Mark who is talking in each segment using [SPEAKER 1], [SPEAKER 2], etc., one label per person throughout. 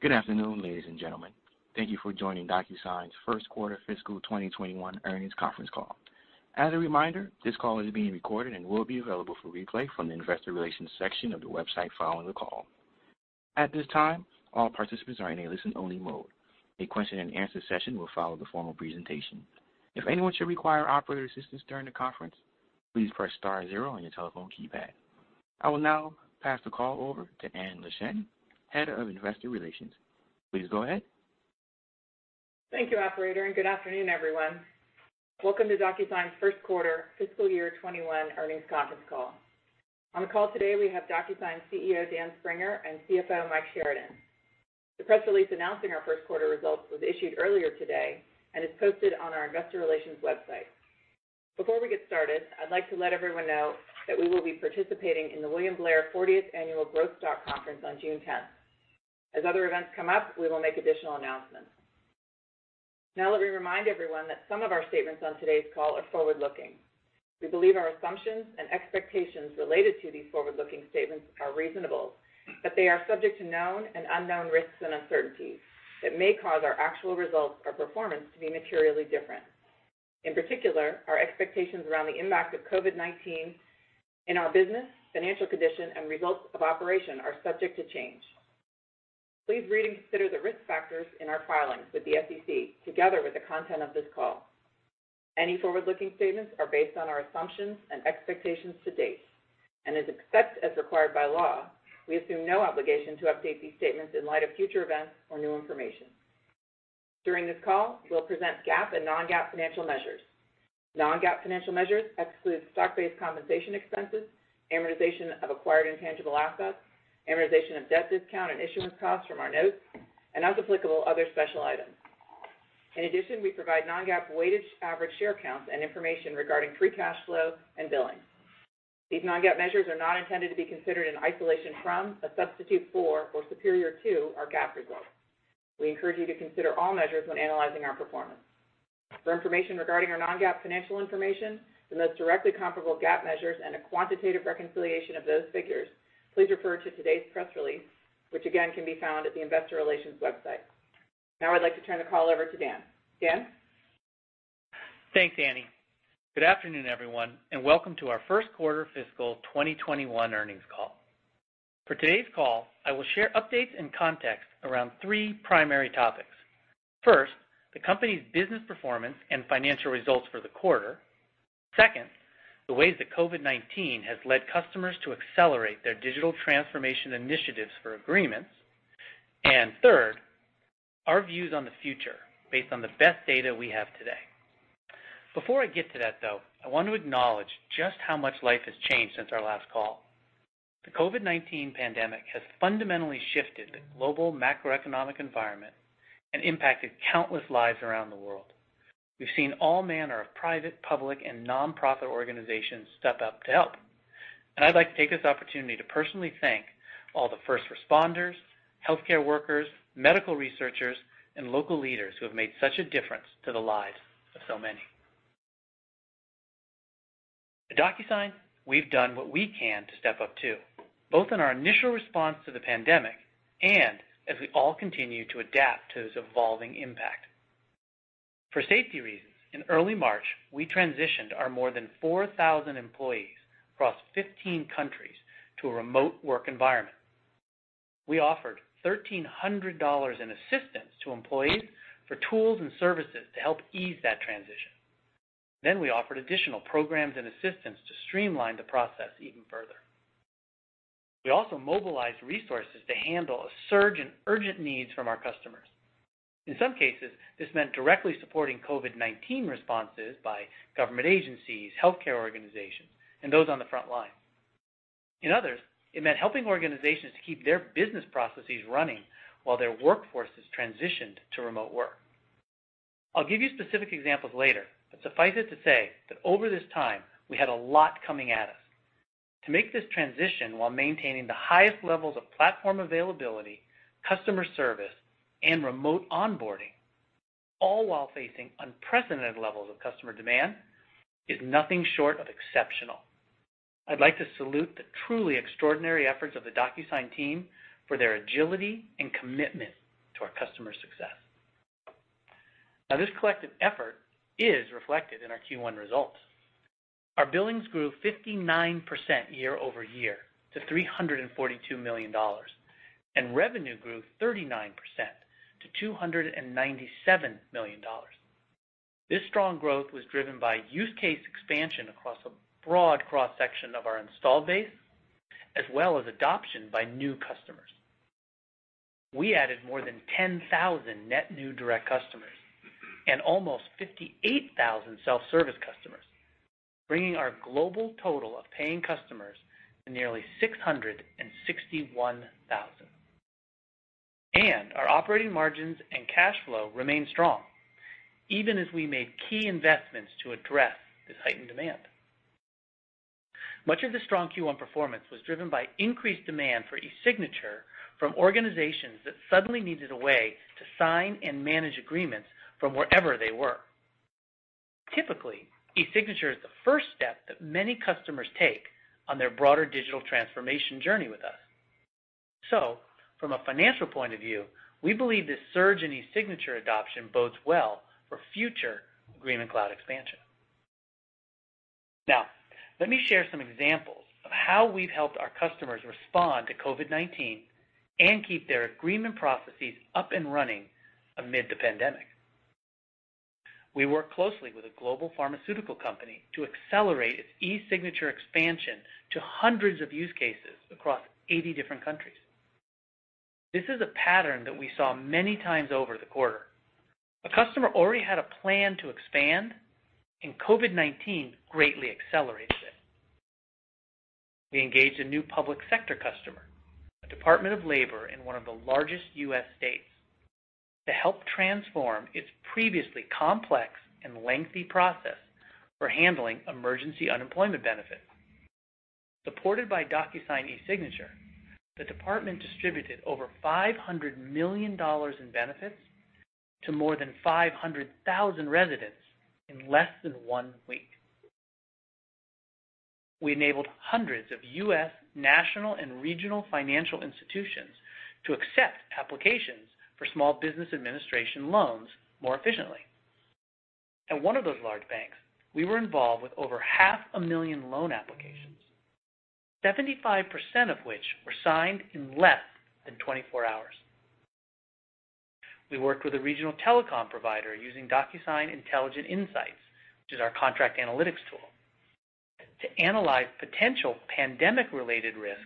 [SPEAKER 1] Good afternoon, ladies and gentlemen. Thank you for joining DocuSign's first quarter fiscal 2021 earnings conference call. As a reminder, this call is being recorded and will be available for replay from the investor relations section of the website following the call. At this time, all participants are in a listen-only mode. A question-and-answer session will follow the formal presentation. If anyone should require operator assistance during the conference, please press star zero on your telephone keypad. I will now pass the call over to Anne Leschin, Head of Investor Relations. Please go ahead.
[SPEAKER 2] Thank you, operator, and good afternoon, everyone. Welcome to DocuSign's first quarter fiscal year 2021 earnings conference call. On the call today, we have DocuSign CEO, Dan Springer, and CFO, Mike Sheridan. The press release announcing our first quarter results was issued earlier today and is posted on our investor relations website. Before we get started, I'd like to let everyone know that we will be participating in the William Blair 40th Annual Growth Stock Conference on June 10th. As other events come up, we will make additional announcements. Let me remind everyone that some of our statements on today's call are forward-looking. We believe our assumptions and expectations related to these forward-looking statements are reasonable, but they are subject to known and unknown risks and uncertainties that may cause our actual results or performance to be materially different. In particular, our expectations around the impact of COVID-19 in our business, financial condition, and results of operation are subject to change. Please read and consider the risk factors in our filings with the SEC, together with the content of this call. Any forward-looking statements are based on our assumptions and expectations to date, and as except as required by law, we assume no obligation to update these statements in light of future events or new information. During this call, we'll present GAAP and non-GAAP financial measures. Non-GAAP financial measures exclude stock-based compensation expenses, amortization of acquired intangible assets, amortization of debt discount and issuance costs from our notes, and as applicable, other special items. In addition, we provide non-GAAP weighted average share counts and information regarding free cash flow and billing. These non-GAAP measures are not intended to be considered in isolation from, a substitute for, or superior to our GAAP results. We encourage you to consider all measures when analyzing our performance. For information regarding our non-GAAP financial information, the most directly comparable GAAP measures, and a quantitative reconciliation of those figures, please refer to today's press release, which again, can be found at the investor relations website. Now I'd like to turn the call over to Dan. Dan?
[SPEAKER 3] Thanks, Anne. Good afternoon, everyone, and welcome to our first quarter fiscal 2021 earnings call. For today's call, I will share updates and context around three primary topics. First, the company's business performance and financial results for the quarter. Second, the ways that COVID-19 has led customers to accelerate their digital transformation initiatives for agreements. Third, our views on the future based on the best data we have today. Before I get to that, though, I want to acknowledge just how much life has changed since our last call. The COVID-19 pandemic has fundamentally shifted the global macroeconomic environment and impacted countless lives around the world. We've seen all manner of private, public, and non-profit organizations step up to help, and I'd like to take this opportunity to personally thank all the first responders, healthcare workers, medical researchers, and local leaders who have made such a difference to the lives of so many. At DocuSign, we've done what we can to step up, too, both in our initial response to the pandemic and as we all continue to adapt to its evolving impact. For safety reasons, in early March, we transitioned our more than 4,000 employees across 15 countries to a remote work environment. We offered $1,300 in assistance to employees for tools and services to help ease that transition. We offered additional programs and assistance to streamline the process even further. We also mobilized resources to handle a surge in urgent needs from our customers. In some cases, this meant directly supporting COVID-19 responses by government agencies, healthcare organizations, and those on the front line. In others, it meant helping organizations to keep their business processes running while their workforces transitioned to remote work. I'll give you specific examples later, suffice it to say that over this time, we had a lot coming at us. To make this transition while maintaining the highest levels of platform availability, customer service, and remote onboarding, all while facing unprecedented levels of customer demand, is nothing short of exceptional. I'd like to salute the truly extraordinary efforts of the DocuSign team for their agility and commitment to our customers' success. This collective effort is reflected in our Q1 results. Our billings grew 59% year-over-year to $342 million, and revenue grew 39% to $297 million. This strong growth was driven by use case expansion across a broad cross-section of our installed base, as well as adoption by new customers. We added more than 10,000 net new direct customers and almost 58,000 self-service customers, bringing our global total of paying customers to nearly 661,000. Our operating margins and cash flow remain strong, even as we made key investments to address this heightened demand. Much of the strong Q1 performance was driven by increased demand for eSignature from organizations that suddenly needed a way to sign and manage agreements from wherever they were. Typically, eSignature is the first step that many customers take on their broader digital transformation journey with us. From a financial point of view, we believe this surge in eSignature adoption bodes well for future Agreement Cloud expansion. Let me share some examples of how we've helped our customers respond to COVID-19 and keep their agreement processes up and running amid the pandemic. We work closely with a global pharmaceutical company to accelerate its eSignature expansion to hundreds of use cases across 80 different countries. This is a pattern that we saw many times over the quarter. A customer already had a plan to expand, and COVID-19 greatly accelerated it. We engaged a new public sector customer, a department of labor in one of the largest U.S. states, to help transform its previously complex and lengthy process for handling emergency unemployment benefits. Supported by DocuSign eSignature, the department distributed over $500 million in benefits to more than 500,000 residents in less than one week. We enabled hundreds of U.S. national and regional financial institutions to accept applications for Small Business Administration loans more efficiently. At one of those large banks, we were involved with over half a million loan applications, 75% of which were signed in less than 24 hours. We worked with a regional telecom provider using DocuSign Intelligent Insights, which is our contract analytics tool, to analyze potential pandemic-related risks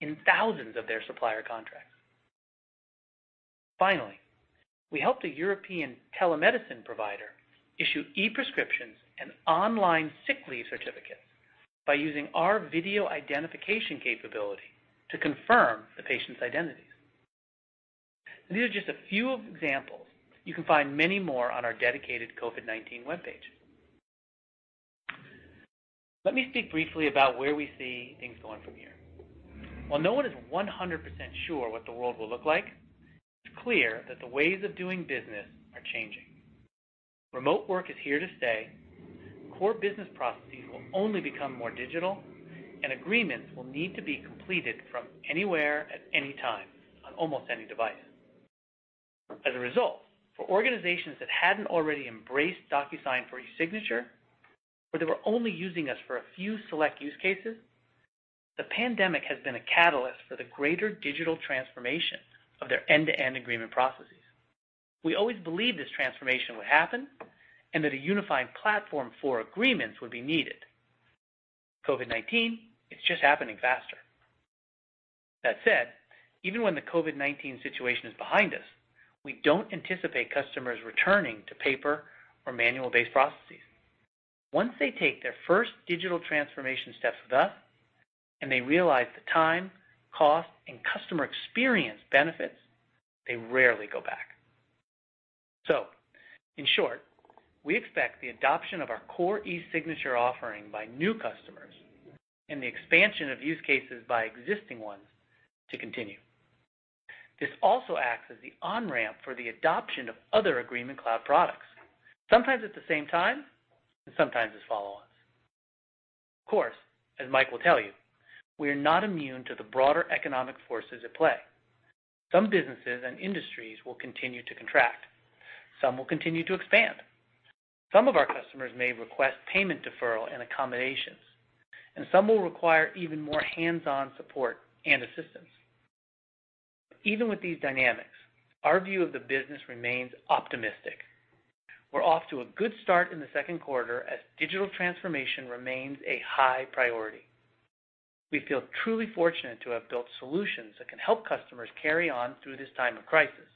[SPEAKER 3] in thousands of their supplier contracts. We helped a European telemedicine provider issue e-prescriptions and online sick leave certificates by using our video identification capability to confirm the patients' identities. These are just a few examples. You can find many more on our dedicated COVID-19 webpage. Let me speak briefly about where we see things going from here. While no one is 100% sure what the world will look like, it's clear that the ways of doing business are changing. Remote work is here to stay, core business processes will only become more digital, and agreements will need to be completed from anywhere at any time on almost any device. As a result, for organizations that hadn't already embraced DocuSign for eSignature, or they were only using us for a few select use cases, the pandemic has been a catalyst for the greater digital transformation of their end-to-end agreement processes. We always believed this transformation would happen and that a unifying platform for agreements would be needed. COVID-19, it's just happening faster. That said, even when the COVID-19 situation is behind us, we don't anticipate customers returning to paper or manual-based processes. Once they take their first digital transformation steps with us and they realize the time, cost, and customer experience benefits, they rarely go back. In short, we expect the adoption of our core eSignature offering by new customers and the expansion of use cases by existing ones to continue. This also acts as the on-ramp for the adoption of other Agreement Cloud products, sometimes at the same time, and sometimes as follow-ons. Of course, as Mike will tell you, we are not immune to the broader economic forces at play. Some businesses and industries will continue to contract. Some will continue to expand. Some of our customers may request payment deferral and accommodations, and some will require even more hands-on support and assistance. Even with these dynamics, our view of the business remains optimistic. We're off to a good start in the second quarter as digital transformation remains a high priority. We feel truly fortunate to have built solutions that can help customers carry on through this time of crisis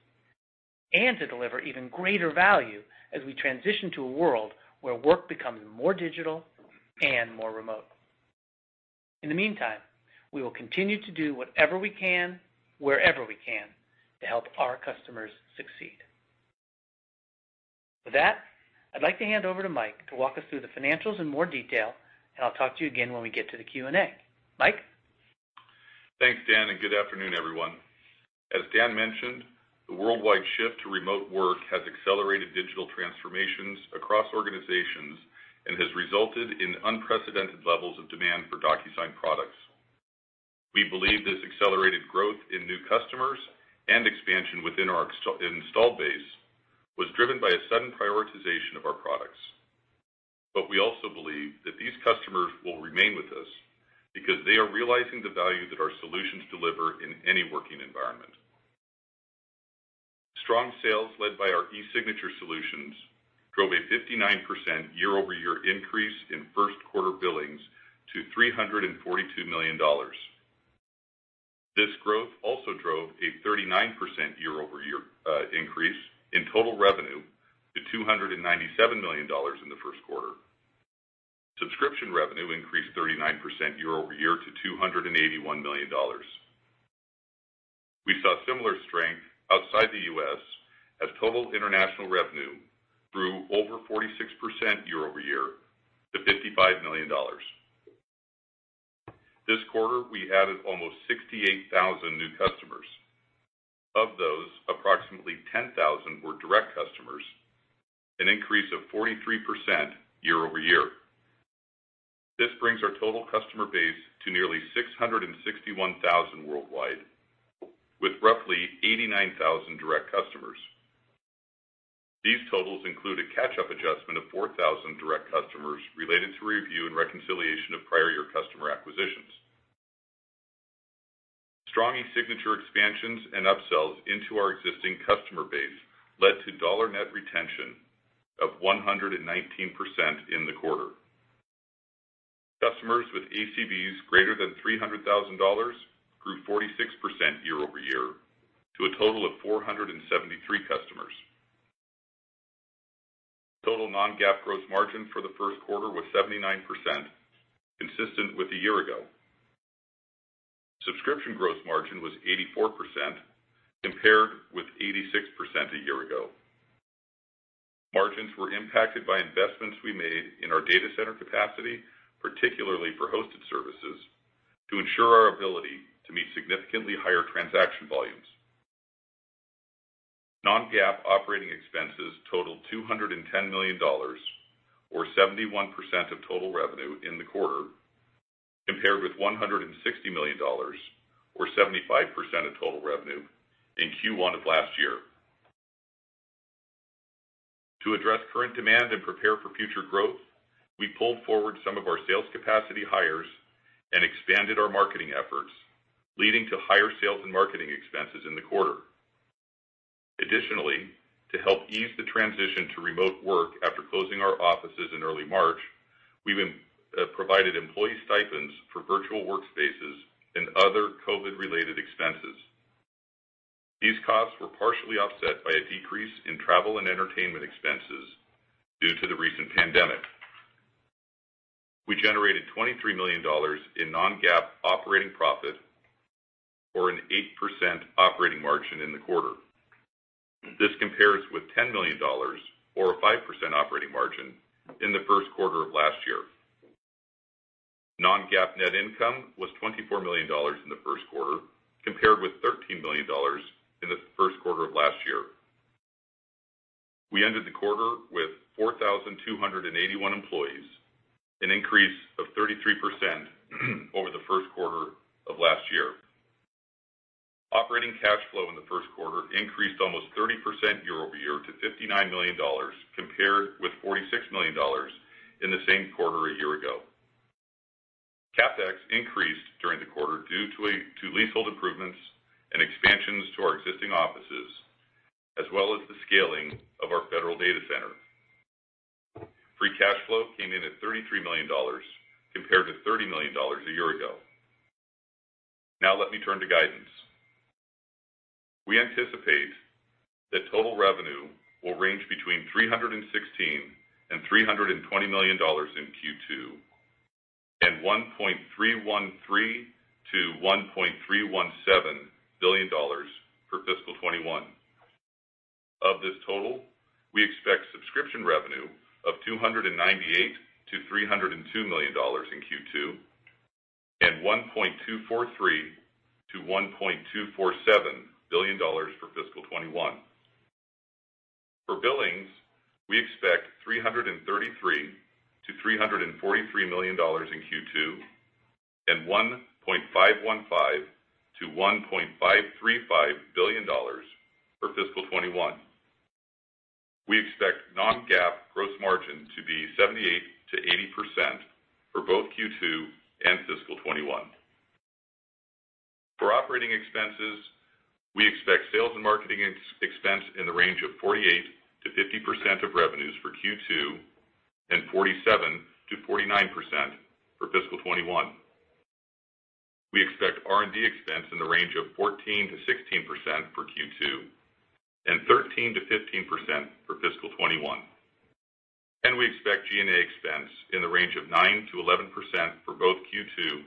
[SPEAKER 3] and to deliver even greater value as we transition to a world where work becomes more digital and more remote. In the meantime, we will continue to do whatever we can, wherever we can, to help our customers succeed. With that, I'd like to hand over to Mike to walk us through the financials in more detail, and I'll talk to you again when we get to the Q&A. Mike?
[SPEAKER 4] Thanks, Dan. Good afternoon, everyone. As Dan mentioned, the worldwide shift to remote work has accelerated digital transformations across organizations and has resulted in unprecedented levels of demand for DocuSign products. We believe this accelerated growth in new customers and expansion within our installed base was driven by a sudden prioritization of our products. We also believe that these customers will remain with us because they are realizing the value that our solutions deliver in any working environment. Strong sales led by our eSignature solutions drove a 59% year-over-year increase in first quarter billings to $342 million. This growth also drove a 39% year-over-year increase in total revenue to $297 million in the first quarter. Subscription revenue increased 39% year-over-year to $281 million. We saw similar strength outside the U.S. as total international revenue grew over 46% year-over-year to $55 million. This quarter, we added almost 68,000 new customers. Of those, approximately 10,000 were direct customers, an increase of 43% year-over-year. This brings our total customer base to nearly 661,000 worldwide, with roughly 89,000 direct customers. These totals include a catch-up adjustment of 4,000 direct customers related to review and reconciliation of prior year customer acquisitions. Strong eSignature expansions and upsells into our existing customer base led to dollar net retention of 119% in the quarter. Customers with ACVs greater than $300,000 grew 46% year-over-year to a total of 473 customers. Total non-GAAP gross margin for the first quarter was 79%, consistent with a year ago. Subscription gross margin was 84%, compared with 86% a year ago. Margins were impacted by investments we made in our data center capacity, particularly for hosted services, to ensure our ability to meet significantly higher transaction volumes. Non-GAAP operating expenses totaled $210 million, or 71% of total revenue in the quarter, compared with $160 million, or 75% of total revenue in Q1 of last year. To address current demand and prepare for future growth, we pulled forward some of our sales capacity hires and expanded our marketing efforts, leading to higher sales and marketing expenses in the quarter. Additionally, to help ease the transition to remote work after closing our offices in early March, we provided employee stipends for virtual workspaces and other COVID-related expenses. These costs were partially offset by a decrease in travel and entertainment expenses due to the recent pandemic. We generated $23 million in non-GAAP operating profit, or an 8% operating margin in the quarter. This compares with $10 million, or a 5% operating margin, in the first quarter of last year. Non-GAAP net income was $24 million in the first quarter, compared with $13 million in the first quarter of last year. We ended the quarter with 4,281 employees, an increase of 33% over the first quarter of last year. Operating cash flow in the first quarter increased almost 30% year-over-year to $59 million, compared with $46 million in the same quarter a year ago. CapEx increased during the quarter due to leasehold improvements and expansions to our existing offices, as well as the scaling of our federal data center. Free cash flow came in at $33 million, compared to $30 million a year ago. Now let me turn to guidance. We anticipate that total revenue will range between $316 million and $320 million in Q2, and $1.313 billion-$1.317 billion for fiscal 2021. Of this total, we expect subscription revenue of $298 million-$302 million in Q2, and $1.243 billion-$1.247 billion for fiscal 2021. For billings, we expect $333 million-$343 million in Q2 and $1.515 billion-$1.535 billion for fiscal 2021. We expect non-GAAP gross margin to be 78%-80% for both Q2 and fiscal 2021. For operating expenses, we expect sales and marketing expense in the range of 48%-50% of revenues for Q2 and 47%-49% for fiscal 2021. We expect R&D expense in the range of 14%-16% for Q2 and 13%-15% for fiscal 2021. We expect G&A expense in the range of 9%-11% for both Q2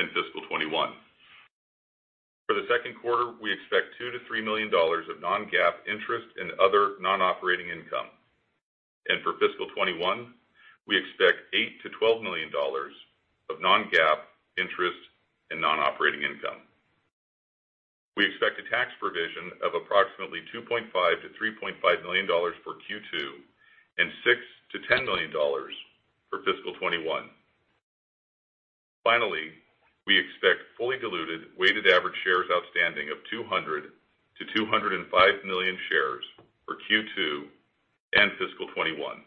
[SPEAKER 4] and fiscal 2021. For the second quarter, we expect $2 million-$3 million of non-GAAP interest and other non-operating income. For fiscal 2021, we expect $8 million-$12 million of non-GAAP interest and non-operating income. We expect a tax provision of approximately $2.5 million-$3.5 million for Q2 and $6 million-$10 million for fiscal 2021. Finally, we expect fully diluted weighted average shares outstanding of 200 million-205 million shares for Q2 and fiscal 2021.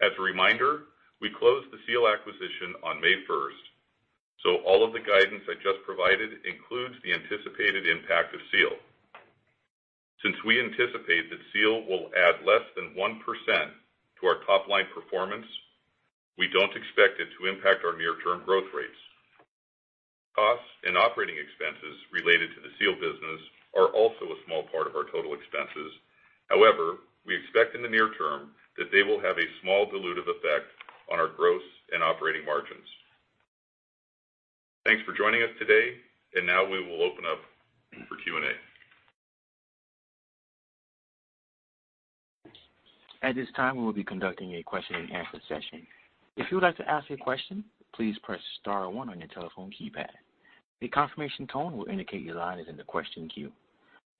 [SPEAKER 4] As a reminder, we closed the Seal acquisition on May 1st, so all of the guidance I just provided includes the anticipated impact of Seal. Since we anticipate that Seal will add less than 1% to our top-line performance, we don't expect it to impact our near-term growth rates. Costs and operating expenses related to the Seal business are also a small part of our total expenses. However, we expect in the near term that they will have a small dilutive effect on our gross and operating margins. Thanks for joining us today, and now we will open up for Q&A.
[SPEAKER 1] At this time, we will be conducting a question-and-answer session. If you would like to ask a question, please press star one on your telephone keypad. A confirmation tone will indicate your line is in the question queue.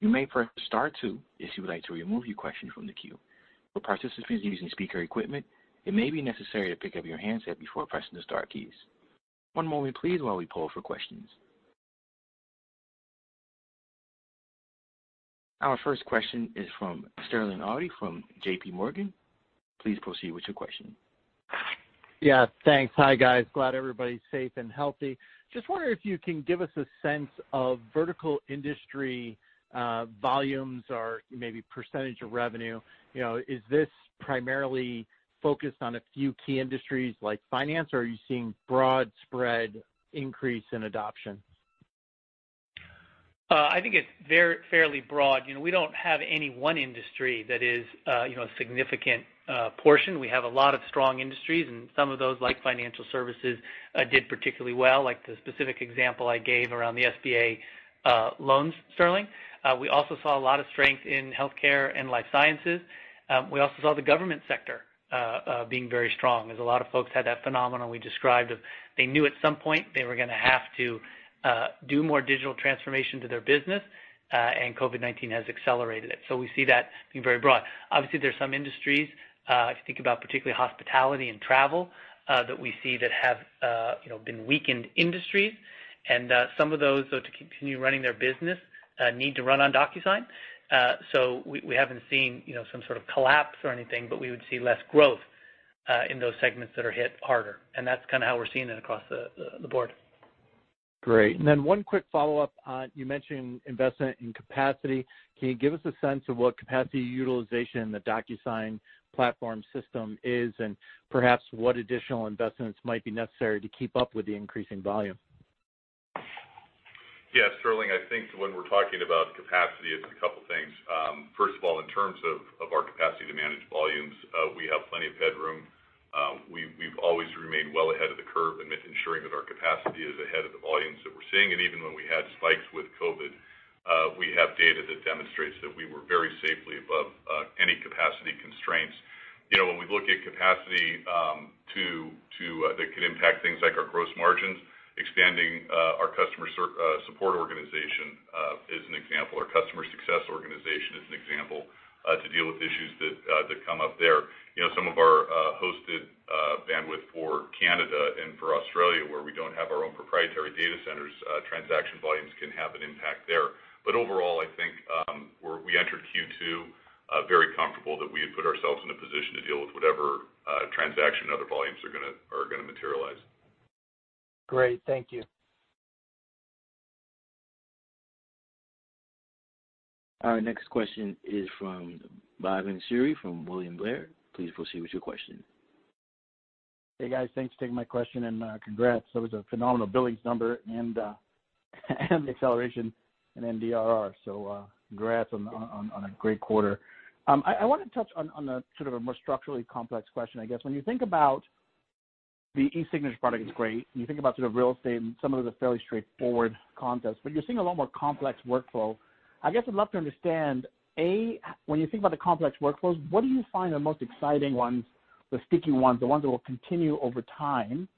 [SPEAKER 1] You may press star two if you would like to remove your question from the queue. For participants using speaker equipment, it may be necessary to pick up your handset before pressing the star keys. One moment please while we poll for questions. Our first question is from Sterling Auty from JPMorgan. Please proceed with your question.
[SPEAKER 5] Yeah, thanks. Hi, guys. Glad everybody's safe and healthy. Just wonder if you can give us a sense of vertical industry volumes or maybe percentage of revenue. Is this primarily focused on a few key industries like finance, or are you seeing broad spread increase in adoption?
[SPEAKER 3] I think it's fairly broad. We don't have any one industry that is a significant portion. We have a lot of strong industries, and some of those, like financial services, did particularly well, like the specific example I gave around the SBA loans, Sterling. We also saw a lot of strength in healthcare and life sciences. We also saw the government sector being very strong, as a lot of folks had that phenomenon we described of, they knew at some point they were going to have to do more digital transformation to their business, and COVID-19 has accelerated it. We see that being very broad. Obviously, there's some industries, if you think about particularly hospitality and travel, that we see that have been weakened industries, and some of those, though, to continue running their business, need to run on DocuSign. We haven't seen some sort of collapse or anything, but we would see less growth in those segments that are hit harder, and that's kind of how we're seeing it across the board.
[SPEAKER 5] Great. One quick follow-up. You mentioned investment in capacity. Can you give us a sense of what capacity utilization in the DocuSign platform system is, and perhaps what additional investments might be necessary to keep up with the increasing volume?
[SPEAKER 4] Yeah, Sterling, I think when we're talking about capacity, it's a couple things. First of all, in terms of our capacity to manage volumes, we have plenty of headroom. We've always remained well ahead of the curve in ensuring that our capacity is ahead of the volumes that we're seeing. Even when we had spikes with COVID, we have data that demonstrates that we were very safely above any capacity constraints. When we look at capacity that could impact things like our gross margins, expanding our customer support organization is an example, our customer success organization is an example, to deal with issues that come up there. Some of our hosted bandwidth for Canada and for Australia, where we don't have our own proprietary data centers, transaction volumes can have an impact there. Overall, I think we entered Q2 very comfortable that we had put ourselves in a position to deal with whatever transaction other volumes are gonna materialize.
[SPEAKER 5] Great. Thank you.
[SPEAKER 1] Our next question is from Bhavan Suri from William Blair. Please proceed with your question.
[SPEAKER 6] Hey, guys, thanks for taking my question, and congrats. That was a phenomenal billings number and acceleration in NDR. Congrats on a great quarter. I want to touch on a sort of a more structurally complex question, I guess. When you think about the eSignature product, it's great. When you think about sort of real estate and some of the fairly straightforward concepts, but you're seeing a lot more complex workflow. I guess I'd love to understand, A, when you think about the complex workflows, what do you find are the most exciting ones, the sticking ones, the ones that will continue over time?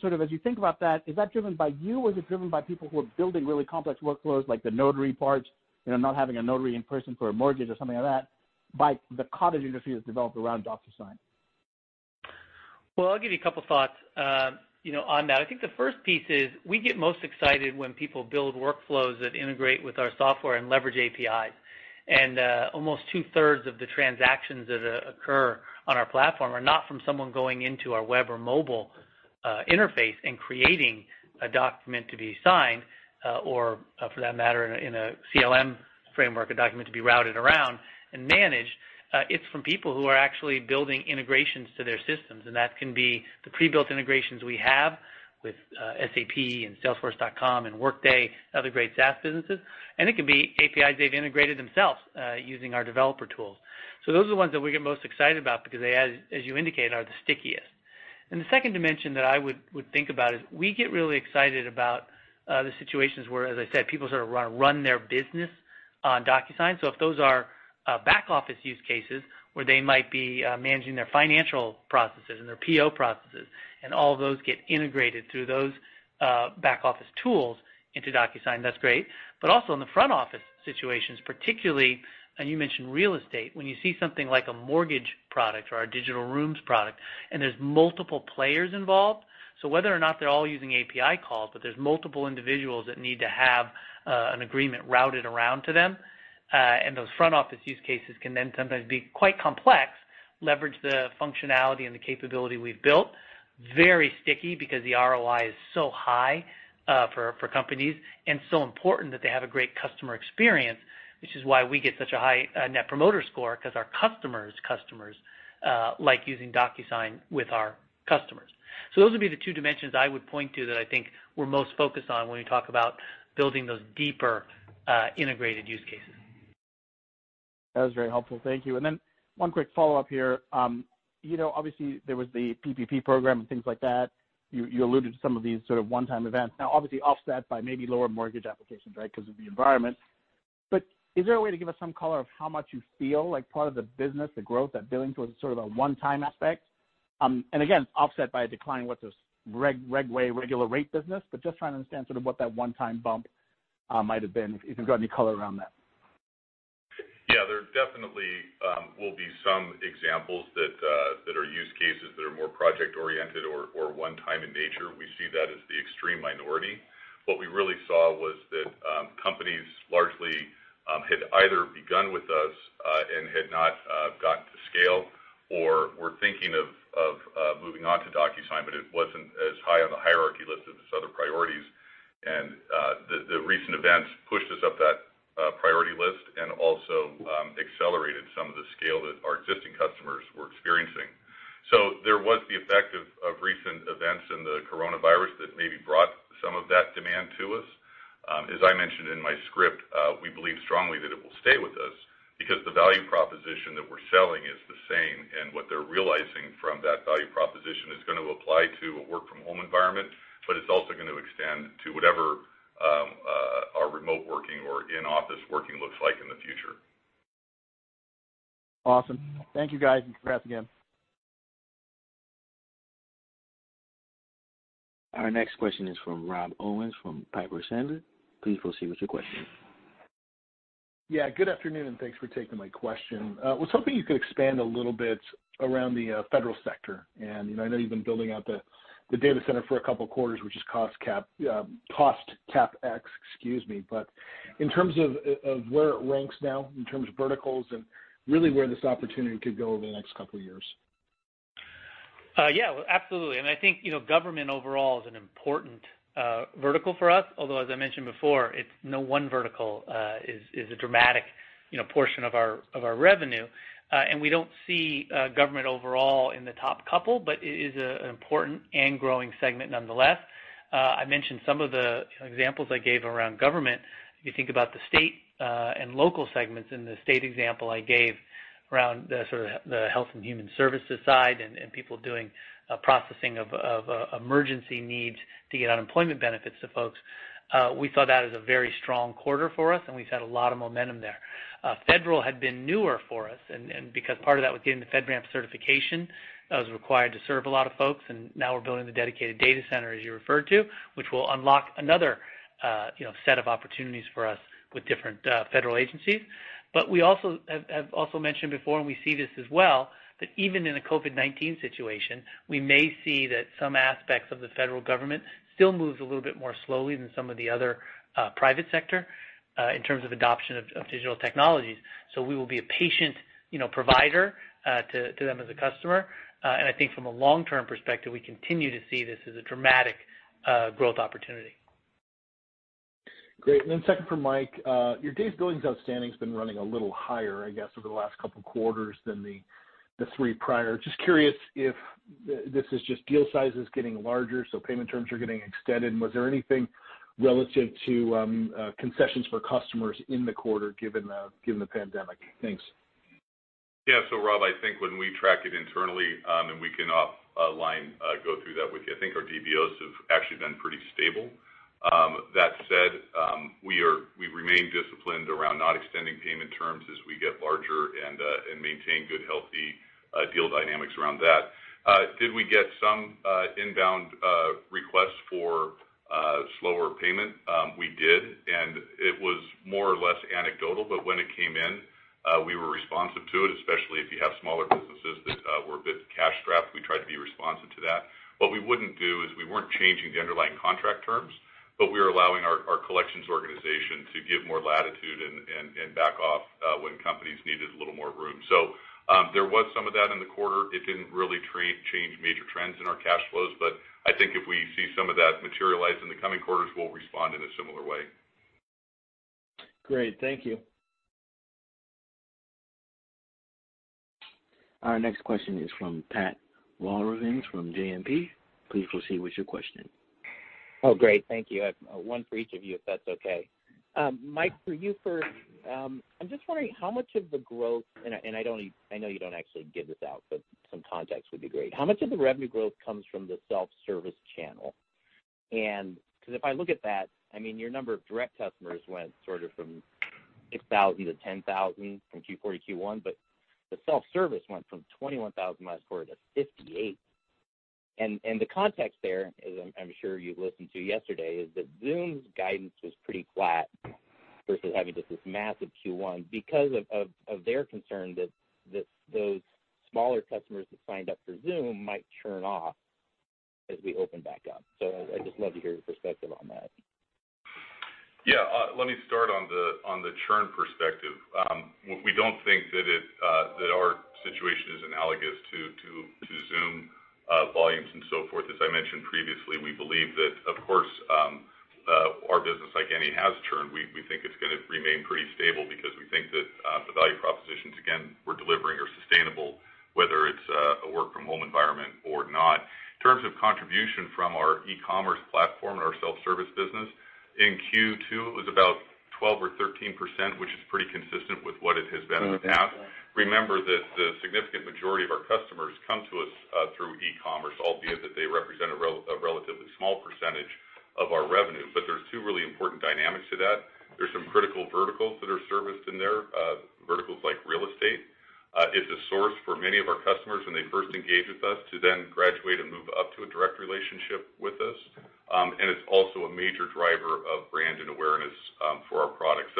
[SPEAKER 6] Sort of as you think about that, is that driven by you, or is it driven by people who are building really complex workflows like the notary part, not having a notary in person for a mortgage or something like that, by the cottage industry that's developed around DocuSign?
[SPEAKER 3] Well, I'll give you a couple thoughts on that. I think the first piece is we get most excited when people build workflows that integrate with our software and leverage APIs. Almost 2/3 of the transactions that occur on our platform are not from someone going into our web or mobile interface and creating a document to be signed or, for that matter, in a CLM framework, a document to be routed around and managed. It's from people who are actually building integrations to their systems, and that can be the pre-built integrations we have with SAP and salesforce.com and Workday, other great SaaS businesses. It can be APIs they've integrated themselves using our developer tools. Those are the ones that we get most excited about because they, as you indicate, are the stickiest. The second dimension that I would think about is we get really excited about the situations where, as I said, people sort of run their business on DocuSign. If those are back office use cases where they might be managing their financial processes and their PO processes and all of those get integrated through those back-office tools into DocuSign, that's great. Also in the front office situations, particularly, and you mentioned real estate, when you see something like a mortgage product or our digital rooms product, and there's multiple players involved. Whether or not they're all using API calls, but there's multiple individuals that need to have an agreement routed around to them, and those front office use cases can then sometimes be quite complex, leverage the functionality and the capability we've built, very sticky because the ROI is so high for companies and so important that they have a great customer experience, which is why we get such a high net promoter score, because our customer's customers like using DocuSign with our customers. Those would be the two dimensions I would point to that I think we're most focused on when we talk about building those deeper integrated use cases.
[SPEAKER 6] That was very helpful. Thank you. One quick follow-up here. Obviously, there was the PPP program and things like that. You alluded to some of these sort of one-time events, now obviously offset by maybe lower mortgage applications, right, because of the environment. Is there a way to give us some color of how much you feel like part of the business, the growth that billing towards sort of a one-time aspect? Again, offset by a decline with this reg way regular rate business, but just trying to understand sort of what that one-time bump might have been, if you've got any color around that.
[SPEAKER 4] Yeah, there definitely will be some examples that are use cases that are more project-oriented or one-time in nature. We see that as the extreme minority. What we really saw was that companies largely had either begun with us, and had not gotten to scale, or were thinking of moving on to DocuSign, but it wasn't as high on the hierarchy list of its other priorities. The recent events pushed us up that priority list and also accelerated some of the scale that our existing customers were experiencing. There was the effect of recent events and the coronavirus that maybe brought some of that demand to us. As I mentioned in my script, we believe strongly that it will stay with us because the value proposition that we're selling is the same, and what they're realizing from that value proposition is going to apply to a work-from-home environment, but it's also going to extend to whatever our remote working or in-office working looks like in the future.
[SPEAKER 6] Awesome. Thank you, guys, and congrats again.
[SPEAKER 1] Our next question is from Rob Owens from Piper Sandler. Please proceed with your question.
[SPEAKER 7] Yeah, good afternoon, and thanks for taking my question. I was hoping you could expand a little bit around the federal sector. I know you've been building out the data center for a couple quarters, which is cost CapEx. In terms of where it ranks now in terms of verticals and really where this opportunity could go over the next couple of years.
[SPEAKER 3] Yeah. Well, absolutely. I think government overall is an important vertical for us, although as I mentioned before, no one vertical is a dramatic portion of our revenue. We don't see government overall in the top couple, but it is an important and growing segment nonetheless. I mentioned some of the examples I gave around government. If you think about the state and local segments in the state example I gave around the sort of the health and human services side and people doing a processing of emergency needs to get unemployment benefits to folks. We saw that as a very strong quarter for us, and we've had a lot of momentum there. Federal had been newer for us and because part of that was getting the FedRAMP certification that was required to serve a lot of folks, and now we're building the dedicated data center as you referred to, which will unlock another set of opportunities for us with different federal agencies. We have also mentioned before, and we see this as well, that even in a COVID-19 situation, we may see that some aspects of the federal government still moves a little bit more slowly than some of the other private sector in terms of adoption of digital technologies. We will be a patient provider to them as a customer. I think from a long-term perspective, we continue to see this as a dramatic growth opportunity.
[SPEAKER 7] Great. Second for Mike, your Days Billings Outstanding has been running a little higher, I guess, over the last couple quarters than the three prior. Just curious if this is just deal sizes getting larger, so payment terms are getting extended. Was there anything relative to concessions for customers in the quarter given the pandemic? Thanks.
[SPEAKER 4] Rob, I think when we track it internally, and we can offline go through that with you, I think our DBOs have actually been pretty stable. That said, we remain disciplined around not extending payment terms as we get larger and maintain good, healthy deal dynamics around that. Did we get some inbound requests for slower payment? We did, and it was more or less anecdotal, but when it came in, we were responsive to it, especially if you have smaller businesses that were a bit cash-strapped. We tried to be responsive to that. What we wouldn't do is we weren't changing the underlying contract terms, but we were allowing our collections organization to give more latitude and back off when companies needed a little more room. There was some of that in the quarter. It didn't really change major trends in our cash flows, but I think if we see some of that materialize in the coming quarters, we'll respond in a similar way.
[SPEAKER 7] Great. Thank you.
[SPEAKER 1] Our next question is from Pat Walravens from JMP. Please proceed with your question.
[SPEAKER 8] Oh, great. Thank you. I have one for each of you, if that's okay. Mike, for you first, I'm just wondering how much of the growth, and I know you don't actually give this out, but some context would be great. How much of the revenue growth comes from the self-service channel? Because if I look at that, your number of direct customers went sort of from 6,000 to 10,000 from Q4 to Q1, but the self-service went from 21,000 last quarter to 58. The context there, as I'm sure you've listened to yesterday, is that Zoom's guidance was pretty flat versus having just this massive Q1 because of their concern that those smaller customers that signed up for Zoom might churn off as we open back up. I'd just love to hear your perspective on that.
[SPEAKER 4] Yeah. Let me start on the churn perspective. We don't think that our situation is analogous to Zoom volumes and so forth. As I mentioned previously, we believe that, of course, our business, like any, has churn. We think it's going to remain pretty stable because we think that the value propositions, again, we're delivering are sustainable, whether it's a work-from-home environment or not. In terms of contribution from our e-commerce platform and our self-service business, in Q2 it was about 12% or 13%, which remember that the significant majority of our customers come to us through e-commerce, albeit that they represent a relatively small percentage of our revenue. There's two really important dynamics to that. There's some critical verticals that are serviced in there, verticals like real estate. It's a source for many of our customers when they first engage with us to then graduate and move up to a direct relationship with us. It's also a major driver of brand and awareness for our product.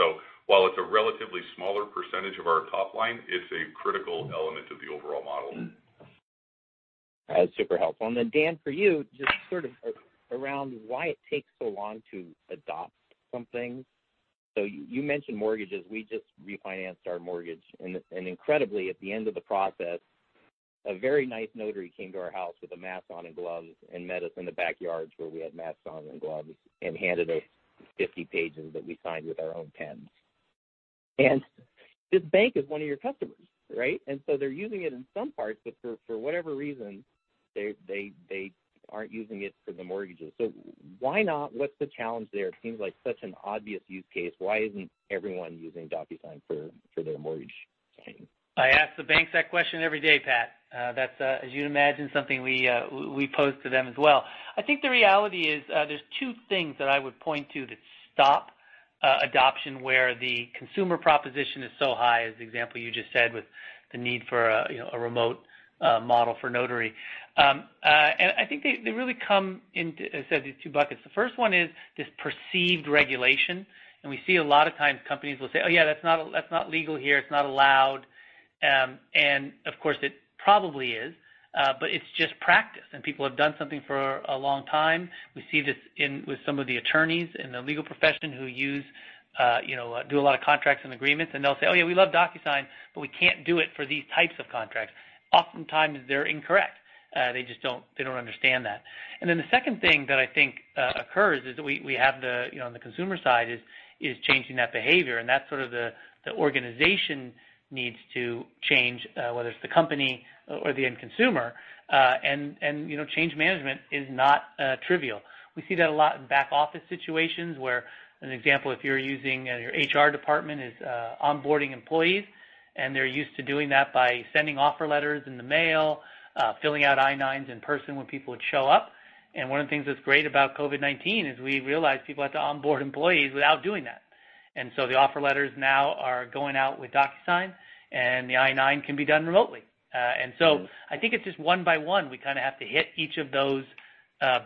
[SPEAKER 4] While it's a relatively smaller percentage of our top line, it's a critical element of the overall model.
[SPEAKER 8] That's super helpful. Dan, for you, just sort of around why it takes so long to adopt something. You mentioned mortgages. We just refinanced our mortgage, and incredibly, at the end of the process, a very nice notary came to our house with a mask on and gloves and met us in the backyard where we had masks on and gloves and handed us 50 pages that we signed with our own pens. This bank is one of your customers, right? They're using it in some parts, but for whatever reason, they aren't using it for the mortgages. Why not? What's the challenge there? It seems like such an obvious use case. Why isn't everyone using DocuSign for their mortgage signing?
[SPEAKER 3] I ask the banks that question every day, Pat. That's, as you'd imagine, something we pose to them as well. I think the reality is there's two things that I would point to that stop adoption, where the consumer proposition is so high, as the example you just said with the need for a remote model for notary. I think they really come into these two buckets. The first one is this perceived regulation, and we see a lot of times companies will say, "Oh, yeah, that's not legal here. It's not allowed." Of course, it probably is but it's just practice, and people have done something for a long time. We see this with some of the attorneys in the legal profession who do a lot of contracts and agreements, and they'll say, "Oh, yeah, we love DocuSign, but we can't do it for these types of contracts." Oftentimes, they're incorrect. They just don't understand that. The second thing that I think occurs is we have on the consumer side is changing that behavior, and that sort of the organization needs to change, whether it's the company or the end consumer. Change management is not trivial. We see that a lot in back-office situations where an example, if your HR department is onboarding employees, and they're used to doing that by sending offer letters in the mail, filling out I-9s in person when people would show up. One of the things that's great about COVID-19 is we realize people have to onboard employees without doing that. The offer letters now are going out with DocuSign, and the I-9 can be done remotely. I think it's just one by one, we kind of have to hit each of those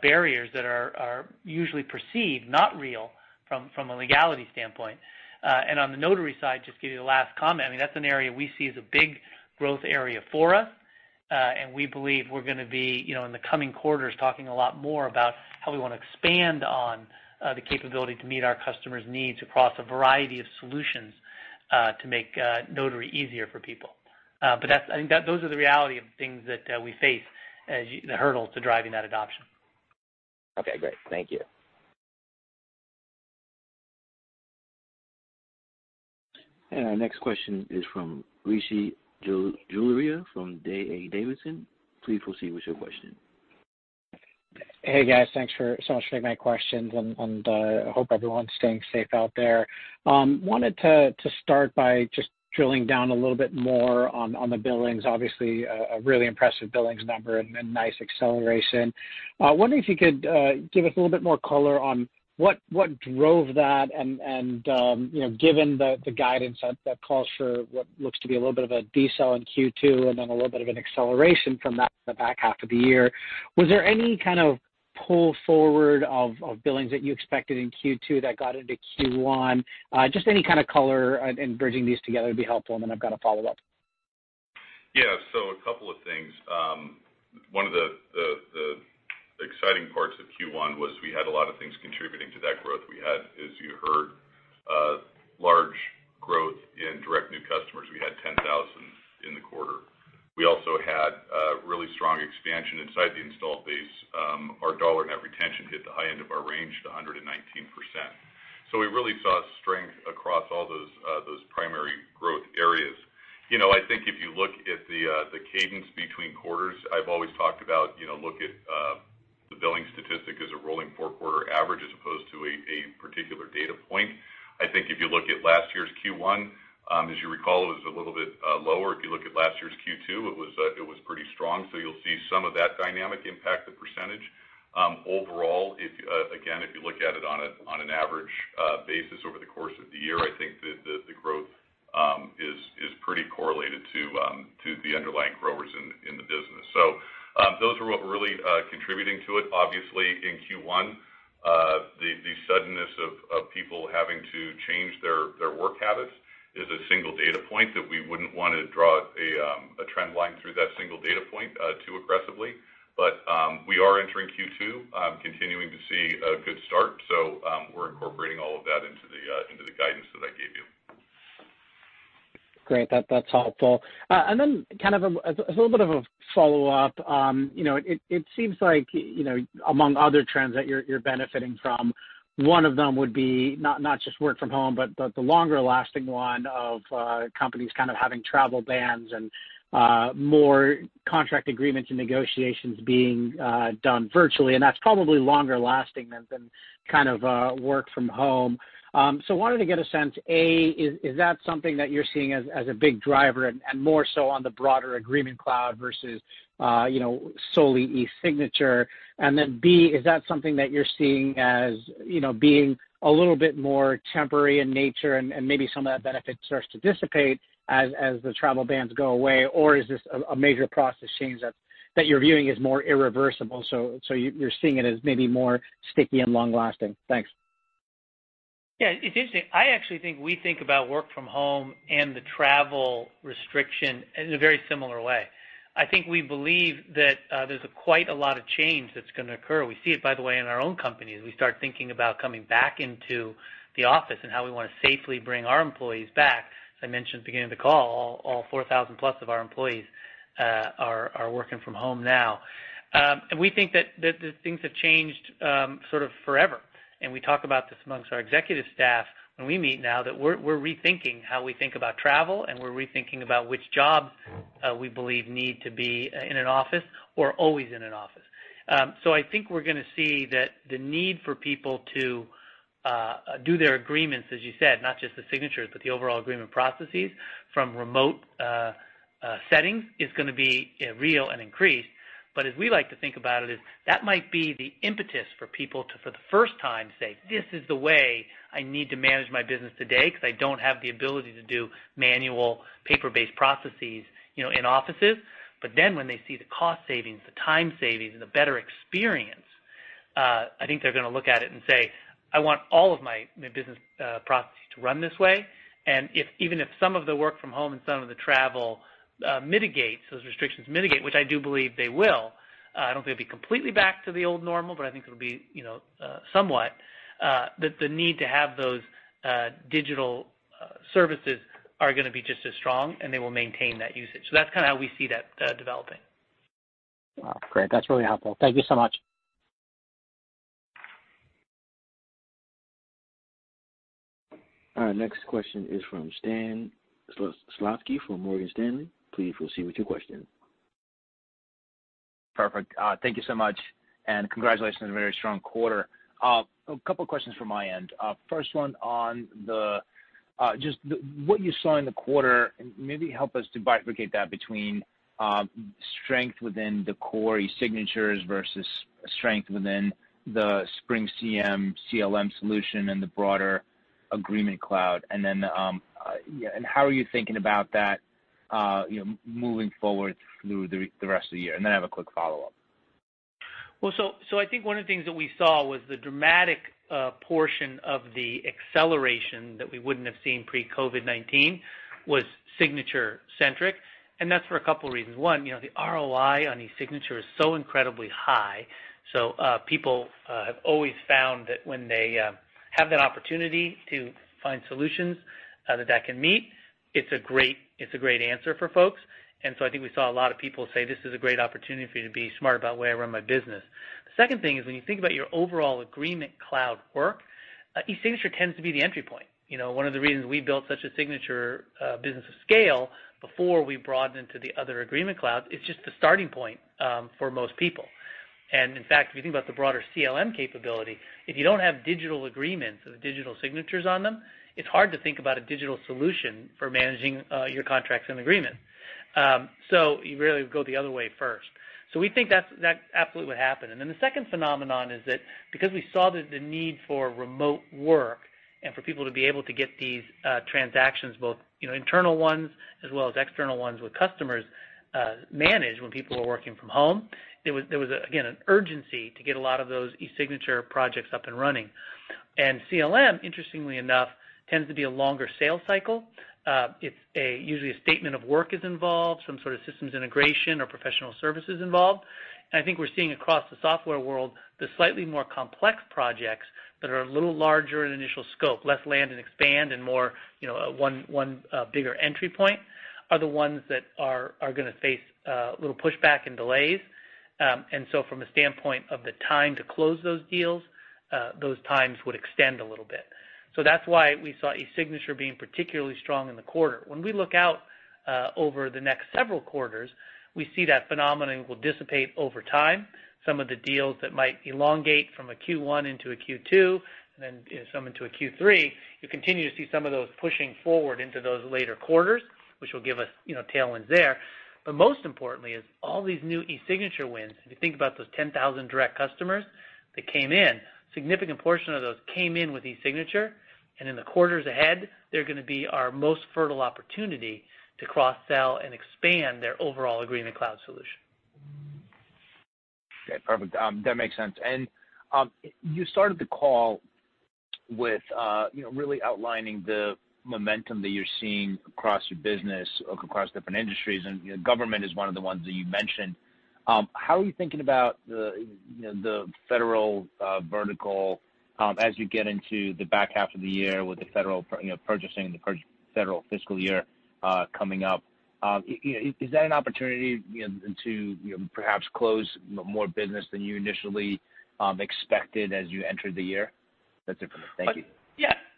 [SPEAKER 3] barriers that are usually perceived, not real from a legality standpoint. On the notary side, just give you the last comment, that's an area we see as a big growth area for us. We believe we're going to be in the coming quarters talking a lot more about how we want to expand on the capability to meet our customers' needs across a variety of solutions to make notary easier for people. Those are the reality of things that we face as the hurdles to driving that adoption.
[SPEAKER 8] Okay, great. Thank you.
[SPEAKER 1] Our next question is from Rishi Jaluria from D.A. Davidson. Please proceed with your question.
[SPEAKER 9] Hey, guys. Thanks so much for taking my questions, and I hope everyone's staying safe out there. Wanted to start by just drilling down a little bit more on the billings. Obviously, a really impressive billings number and nice acceleration. Wondering if you could give us a little bit more color on what drove that and given the guidance that calls for what looks to be a little bit of a decel in Q2 and then a little bit of an acceleration from that in the back half of the year? Was there any kind of pull forward of billings that you expected in Q2 that got into Q1? Just any kind of color in bridging these together would be helpful, and then I've got a follow-up.
[SPEAKER 4] Yeah. A couple of things. One of the exciting parts of Q1 was we had a lot of things contributing to that growth. We had, as you heard, large growth in direct new customers. We had 10,000 in the quarter. We also had a really strong expansion inside the installed base. Our Dollar Net Retention hit the high end of our range to 119%. We really saw strength across all those primary growth areas. I think if you look at the cadence between quarters, I've always talked about look at the billing statistic as a rolling four-quarter average as opposed to a particular data point. I think if you look at last year's Q1, as you recall, it was a little bit lower. If you look at last year's Q2, it was pretty strong. You'll see some of that dynamic impact the percentage. Overall, again, if you look at it on an average basis over the course of the year, I think the growth is pretty correlated to the underlying growers in the business. Those are what were really contributing to it. Obviously, in Q1 the suddenness of people having to change their work habits is a single data point that we wouldn't want to draw a trend line through that single data point too aggressively. We are entering Q2, continuing to see a good start, so we're incorporating all of that into the guidance that I gave you.
[SPEAKER 9] Great. That's helpful. Then kind of a little bit of a follow-up. It seems like among other trends that you're benefiting from, one of them would be not just work from home, but the longer-lasting one of companies kind of having travel bans and more contract agreements and negotiations being done virtually, and that's probably longer lasting than kind of work from home. Wanted to get a sense, A, is that something that you're seeing as a big driver and more so on the broader Agreement Cloud versus solely eSignature? Then B, is that something that you're seeing as being a little bit more temporary in nature and maybe some of that benefit starts to dissipate as the travel bans go away? Is this a major process change that you're viewing as more irreversible, so you're seeing it as maybe more sticky and long-lasting? Thanks.
[SPEAKER 3] Yeah, it is interesting. I actually think we think about work from home and the travel restriction in a very similar way. I think we believe that there's quite a lot of change that's going to occur. We see it, by the way, in our own company, as we start thinking about coming back into the office and how we want to safely bring our employees back. As I mentioned at the beginning of the call, all 4,000+ of our employees are working from home now. We think that things have changed sort of forever. We talk about this amongst our executive staff when we meet now, that we're rethinking how we think about travel, and we're rethinking about which jobs we believe need to be in an office or always in an office. I think we're going to see that the need for people to do their agreements, as you said, not just the signatures, but the overall agreement processes from remote settings, is going to be real and increased. As we like to think about it is, that might be the impetus for people to, for the first time, say, "This is the way I need to manage my business today because I don't have the ability to do manual paper-based processes in offices." When they see the cost savings, the time savings, and the better experience, I think they're going to look at it and say, "I want all of my business processes to run this way." Even if some of the work from home and some of the travel mitigates, those restrictions mitigate, which I do believe they will, I don't think it'll be completely back to the old normal, but I think it'll be somewhat. That the need to have those digital services are going to be just as strong, and they will maintain that usage. That's kind of how we see that developing.
[SPEAKER 9] Wow, great. That's really helpful. Thank you so much.
[SPEAKER 1] All right, next question is from Stan Zlotsky from Morgan Stanley. Please proceed with your question.
[SPEAKER 10] Perfect. Thank you so much. Congratulations on a very strong quarter. A couple of questions from my end. First one on just what you saw in the quarter. Maybe help us to bifurcate that between strength within the core eSignatures versus strength within the SpringCM CLM solution and the broader Agreement Cloud. How are you thinking about that moving forward through the rest of the year? I have a quick follow-up.
[SPEAKER 3] I think one of the things that we saw was the dramatic portion of the acceleration that we wouldn't have seen pre-COVID-19 was signature-centric, and that's for a couple of reasons. One, the ROI on eSignature is so incredibly high. People have always found that when they have that opportunity to find solutions that can meet, it's a great answer for folks. I think we saw a lot of people say, "This is a great opportunity for me to be smart about the way I run my business." The second thing is when you think about your overall Agreement Cloud work, eSignature tends to be the entry point. One of the reasons we built such a signature business of scale before we broadened into the other Agreement Clouds, it's just the starting point for most people. In fact, if you think about the broader CLM capability, if you don't have digital agreements with digital signatures on them, it's hard to think about a digital solution for managing your contracts and agreements. You rarely go the other way first. We think that's absolutely what happened. Then the second phenomenon is that because we saw the need for remote work and for people to be able to get these transactions, both internal ones as well as external ones with customers, managed when people were working from home, there was, again, an urgency to get a lot of those eSignature projects up and running. CLM, interestingly enough, tends to be a longer sales cycle. Usually a statement of work is involved, some sort of systems integration or professional services involved. I think we're seeing across the software world, the slightly more complex projects that are a little larger in initial scope, less land and expand and more one bigger entry point, are the ones that are going to face a little pushback and delays. From a standpoint of the time to close those deals, those times would extend a little bit. That's why we saw eSignature being particularly strong in the quarter. When we look out over the next several quarters, we see that phenomenon will dissipate over time. Some of the deals that might elongate from a Q1 into a Q2, and then some into a Q3, you continue to see some of those pushing forward into those later quarters, which will give us tailwinds there. Most importantly is all these new eSignature wins. If you think about those 10,000 direct customers that came in, a significant portion of those came in with eSignature, and in the quarters ahead, they're going to be our most fertile opportunity to cross-sell and expand their overall Agreement Cloud solution.
[SPEAKER 10] Okay, perfect. That makes sense. You started the call with really outlining the momentum that you're seeing across your business, across different industries, and government is one of the ones that you mentioned. How are you thinking about the federal vertical as you get into the back half of the year with the federal purchasing, the federal fiscal year coming up? Is that an opportunity to perhaps close more business than you initially expected as you entered the year? That's it for me. Thank you.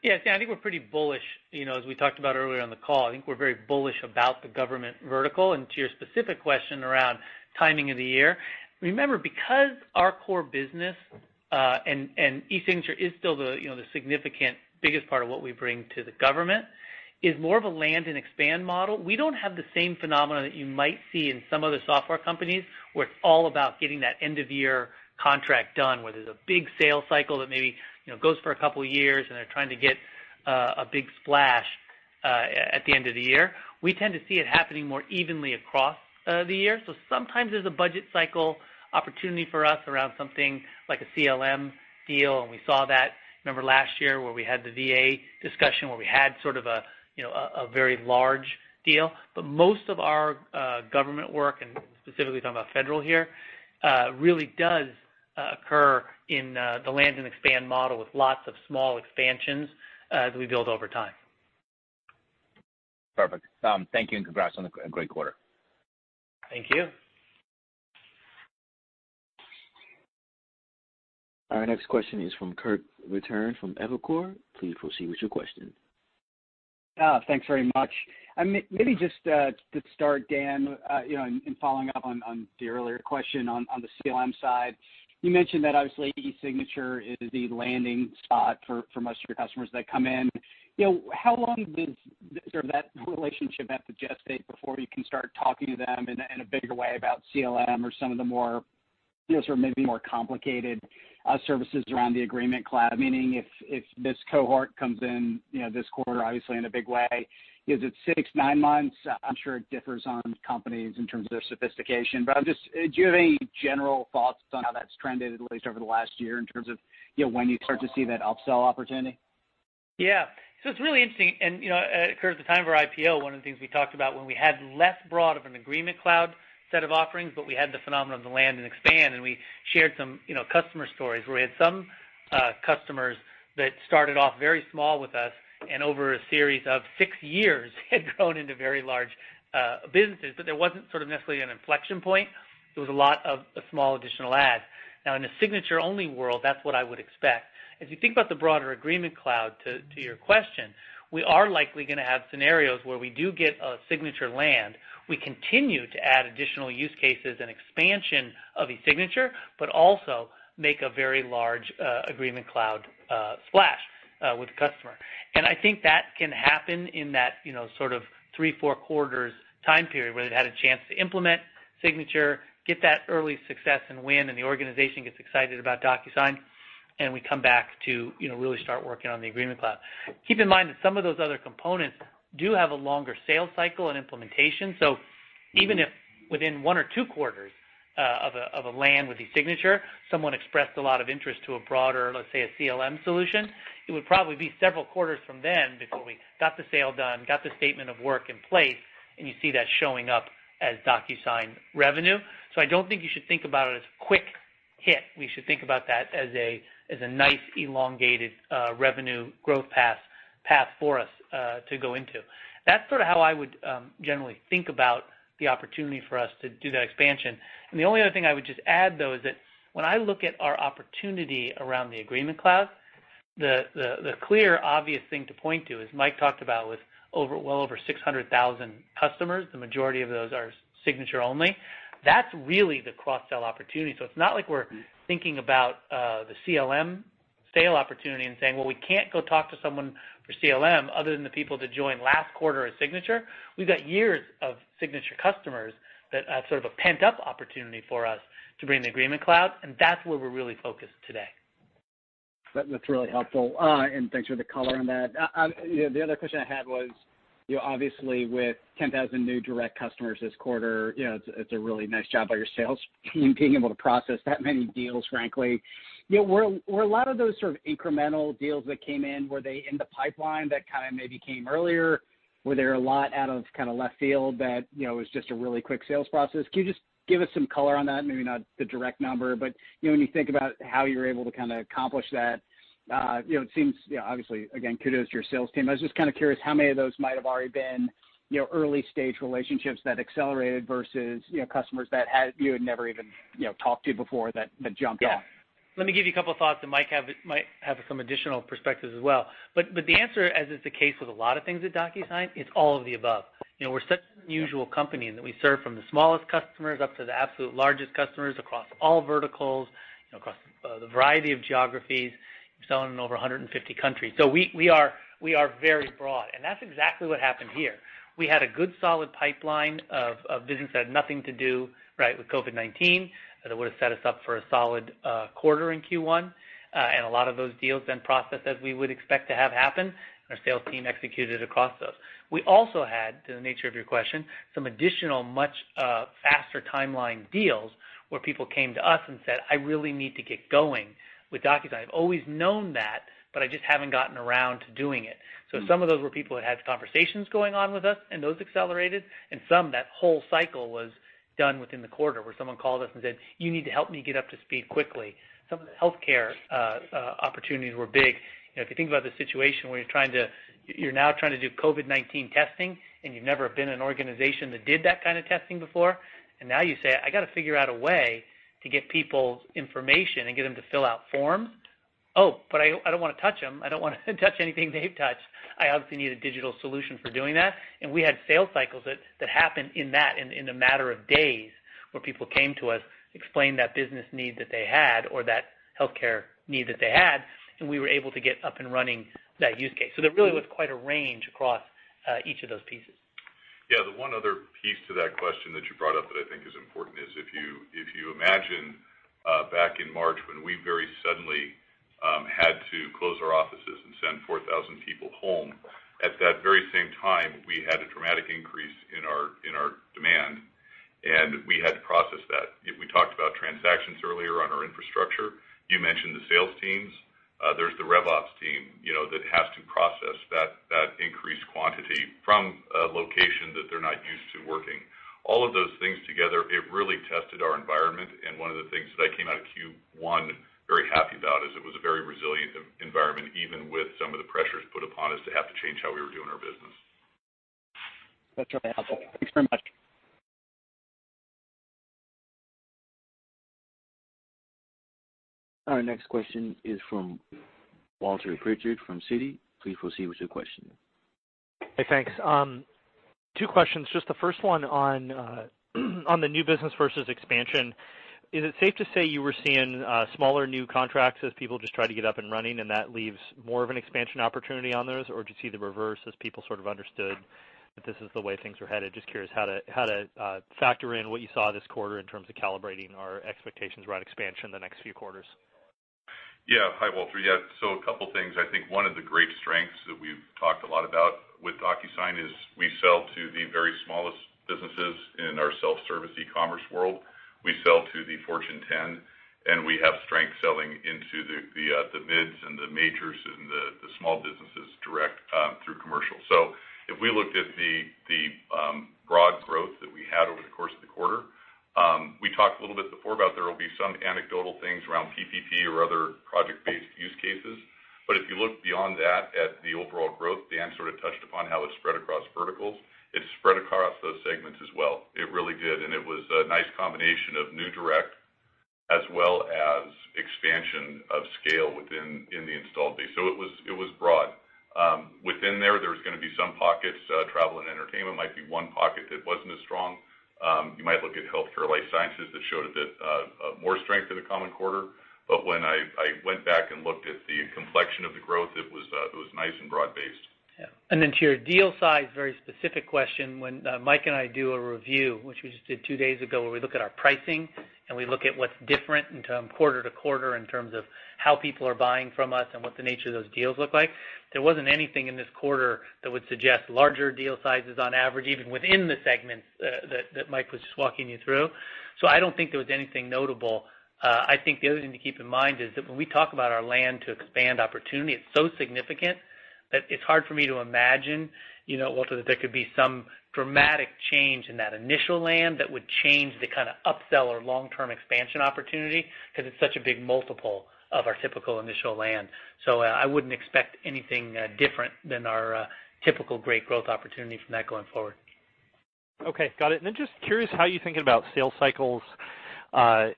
[SPEAKER 3] I think we're pretty bullish. As we talked about earlier on the call, I think we're very bullish about the government vertical. To your specific question around timing of the year, remember, because our core business, and eSignature is still the significant biggest part of what we bring to the government, is more of a land and expand model. We don't have the same phenomenon that you might see in some of the software companies, where it's all about getting that end-of-year contract done, where there's a big sales cycle that maybe goes for a couple of years, and they're trying to get a big splash at the end of the year. We tend to see it happening more evenly across the year. Sometimes there's a budget cycle opportunity for us around something like a CLM deal. We saw that, remember, last year, where we had the VA discussion, where we had sort of a very large deal. Most of our government work, and specifically talking about federal here, really does occur in the land and expand model with lots of small expansions as we build over time.
[SPEAKER 10] Perfect. Thank you. Congrats on a great quarter.
[SPEAKER 3] Thank you.
[SPEAKER 1] Our next question is from Kirk Materne from Evercore. Please proceed with your question.
[SPEAKER 11] Thanks very much. Maybe just to start, Dan, in following up on the earlier question on the CLM side, you mentioned that obviously eSignature is the landing spot for most of your customers that come in. How long does that relationship have to gestate before you can start talking to them in a bigger way about CLM or some of the more, I guess, maybe more complicated services around the Agreement Cloud? Meaning, if this cohort comes in this quarter, obviously in a big way, is it six, nine months? I'm sure it differs on companies in terms of their sophistication, but do you have any general thoughts on how that's trended, at least over the last year, in terms of when you start to see that upsell opportunity?
[SPEAKER 3] It's really interesting, and Kirk, at the time of our IPO, one of the things we talked about when we had less broad of an Agreement Cloud set of offerings, but we had the phenomenon of the land and expand, and we shared some customer stories where we had some customers that started off very small with us, and over a series of six years, had grown into very large businesses. There wasn't necessarily an inflection point. It was a lot of small additional adds. In a signature-only world, that's what I would expect. As you think about the broader Agreement Cloud, to your question, we are likely gonna have scenarios where we do get a signature land. We continue to add additional use cases and expansion of eSignature, but also make a very large Agreement Cloud splash with the customer. I think that can happen in that three, four quarters time period, where they've had a chance to implement eSignature, get that early success and win, and the organization gets excited about DocuSign, and we come back to really start working on the Agreement Cloud. Keep in mind that some of those other components do have a longer sales cycle and implementation. Even if within one or two quarters of a land with eSignature, someone expressed a lot of interest to a broader, let's say, a CLM solution, it would probably be several quarters from then before we got the sale done, got the statement of work in place, and you see that showing up as DocuSign revenue. I don't think you should think about it as a quick hit. We should think about that as a nice elongated, revenue growth path for us to go into. That's sort of how I would generally think about the opportunity for us to do that expansion. The only other thing I would just add, though, is that when I look at our opportunity around the Agreement Cloud, the clear obvious thing to point to, as Mike talked about, with well over 600,000 customers, the majority of those are Signature only. That's really the cross-sell opportunity. It's not like we're thinking about the CLM sale opportunity and saying, "Well, we can't go talk to someone for CLM other than the people that joined last quarter at Signature." We've got years of Signature customers that have sort of a pent-up opportunity for us to bring the Agreement Cloud, and that's where we're really focused today.
[SPEAKER 11] That's really helpful, and thanks for the color on that. The other question I had was, obviously with 10,000 new direct customers this quarter, it's a really nice job by your sales team being able to process that many deals, frankly. Were a lot of those sort of incremental deals that came in, were they in the pipeline that kind of maybe came earlier? Were there a lot out of left field that it was just a really quick sales process? Can you just give us some color on that? Maybe not the direct number, but when you think about how you're able to accomplish that, it seems, obviously, again, kudos to your sales team. I was just kind of curious how many of those might have already been early-stage relationships that accelerated versus customers that you had never even talked to before that jumped on.
[SPEAKER 3] Let me give you a couple of thoughts, Mike might have some additional perspectives as well. The answer, as is the case with a lot of things at DocuSign, it's all of the above. We're such an unusual company in that we serve from the smallest customers up to the absolute largest customers across all verticals, across the variety of geographies. We sell in over 150 countries. We are very broad, and that's exactly what happened here. We had a good, solid pipeline of business that had nothing to do, right, with COVID-19, that would've set us up for a solid quarter in Q1. A lot of those deals then processed as we would expect to have happen, and our sales team executed across those. We also had, to the nature of your question, some additional, much faster timeline deals where people came to us and said, "I really need to get going with DocuSign. I've always known that, but I just haven't gotten around to doing it." Some of those were people that had conversations going on with us, and those accelerated, and some, that whole cycle was done within the quarter, where someone called us and said, "You need to help me get up to speed quickly." Some of the healthcare opportunities were big. If you think about the situation where you're now trying to do COVID-19 testing, and you've never been an organization that did that kind of testing before, and now you say, "I got to figure out a way to get people information and get them to fill out forms, oh, but I don't want to touch them. I don't want to touch anything they've touched. I obviously need a digital solution for doing that. We had sales cycles that happened in a matter of days, where people came to us, explained that business need that they had, or that healthcare need that they had, and we were able to get up and running that use case. There really was quite a range across each of those pieces.
[SPEAKER 4] The one other piece to that question that you brought up that I think is important is, if you imagine back in March when we very suddenly had to close our offices and send 4,000 people home, at that very same time, we had a dramatic increase in our demand, and we had to process that. We talked about transactions earlier on our infrastructure. You mentioned the sales teams. There's the rev ops team that has to process that increased quantity from a location that they're not used to working. All of those things together, it really tested our environment, and one of the things that I came out of Q1 very happy about is it was a very resilient environment, even with some of the pressures put upon us to have to change how we were doing our business.
[SPEAKER 11] That's really helpful. Thanks very much.
[SPEAKER 1] Our next question is from Walter Pritchard from Citi. Please proceed with your question.
[SPEAKER 12] Hey, thanks. Two questions. Just the first one on the new business versus expansion. Is it safe to say you were seeing smaller new contracts as people just try to get up and running, and that leaves more of an expansion opportunity on those? Do you see the reverse as people sort of understood that this is the way things were headed? Just curious how to factor in what you saw this quarter in terms of calibrating our expectations around expansion the next few quarters.
[SPEAKER 4] Hi, Walter. A couple of things. I think one of the great strengths that we've talked a lot about with DocuSign is we sell to the very smallest businesses in our self-service e-commerce world. We sell to the Fortune 10, and we have strength selling into the mids and the majors and the small businesses direct through commercial. If we looked at the broad growth that we had over the course of the quarter, we talked a little bit before about there will be some anecdotal things around PPP or other project-based use cases. If you look beyond that at the overall growth, Dan sort of touched upon how it spread across verticals. It spread across those segments as well. It really did, and it was a nice combination of new direct as well as expansion of scale within the installed base. It was broad. Within there's going to be some pockets. Travel and entertainment might be one pocket that wasn't as strong. You might look at healthcare life sciences, that showed a bit of more strength in the common quarter. When I went back and looked at the complexion of the growth, it was nice and broad based.
[SPEAKER 3] Yeah. Then to your deal size, very specific question. When Mike and I do a review, which we just did two days ago, where we look at our pricing and we look at what's different quarter-to-quarter in terms of how people are buying from us and what the nature of those deals look like, there wasn't anything in this quarter that would suggest larger deal sizes on average, even within the segments that Mike was just walking you through. I don't think there was anything notable. I think the other thing to keep in mind is that when we talk about our land to expand opportunity, it's so significant that it's hard for me to imagine, Walter, that there could be some dramatic change in that initial land that would change the kind of upsell or long-term expansion opportunity, because it's such a big multiple of our typical initial land. I wouldn't expect anything different than our typical great growth opportunity from that going forward.
[SPEAKER 12] Okay, got it. Just curious how you're thinking about sales cycles,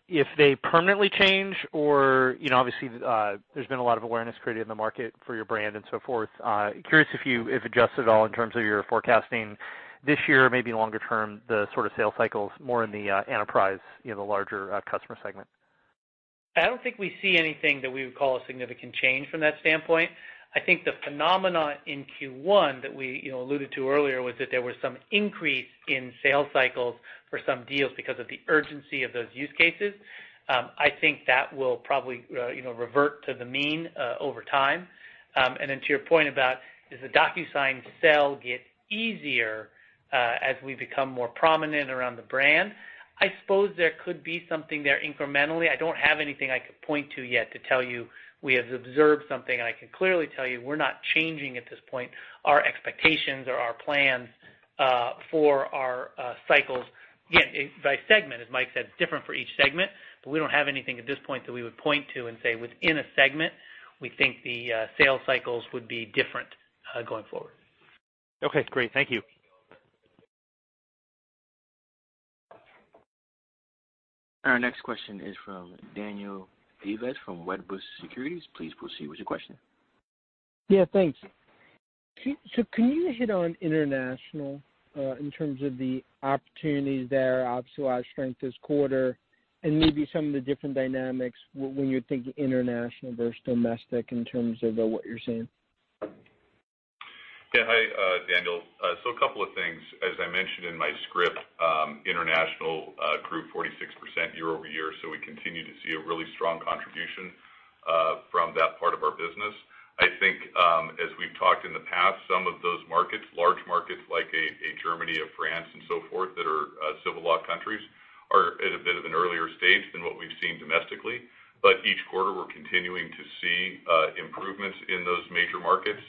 [SPEAKER 12] if they permanently change or obviously, there's been a lot of awareness created in the market for your brand and so forth. Curious if you've adjusted at all in terms of your forecasting this year, maybe longer term, the sort of sales cycles more in the enterprise, the larger customer segment.
[SPEAKER 3] I don't think we see anything that we would call a significant change from that standpoint. I think the phenomena in Q1 that we alluded to earlier was that there was some increase in sales cycles for some deals because of the urgency of those use cases. I think that will probably revert to the mean over time. Then to your point about does the DocuSign sell get easier as we become more prominent around the brand, I suppose there could be something there incrementally. I don't have anything I could point to yet to tell you we have observed something, and I can clearly tell you we're not changing at this point our expectations or our plans for our cycles. Again, by segment, as Mike said, it's different for each segment, but we don't have anything at this point that we would point to and say within a segment, we think the sales cycles would be different going forward.
[SPEAKER 12] Okay, great. Thank you.
[SPEAKER 1] Our next question is from Daniel Ives from Wedbush Securities. Please proceed with your question.
[SPEAKER 13] Yeah, thanks. Can you hit on international in terms of the opportunities there, obviously a lot of strength this quarter, and maybe some of the different dynamics when you're thinking international versus domestic in terms of what you're seeing?
[SPEAKER 4] Yeah. Hi, Daniel. A couple of things. As I mentioned in my script, international grew 46% year-over-year. We continue to see a really strong contribution from that part of our business. I think as we've talked in the past, some of those markets, large markets like a Germany, a France and so forth that are civil law countries, are at a bit of an earlier stage than what we've seen domestically. Each quarter, we're continuing to see improvements in those major markets.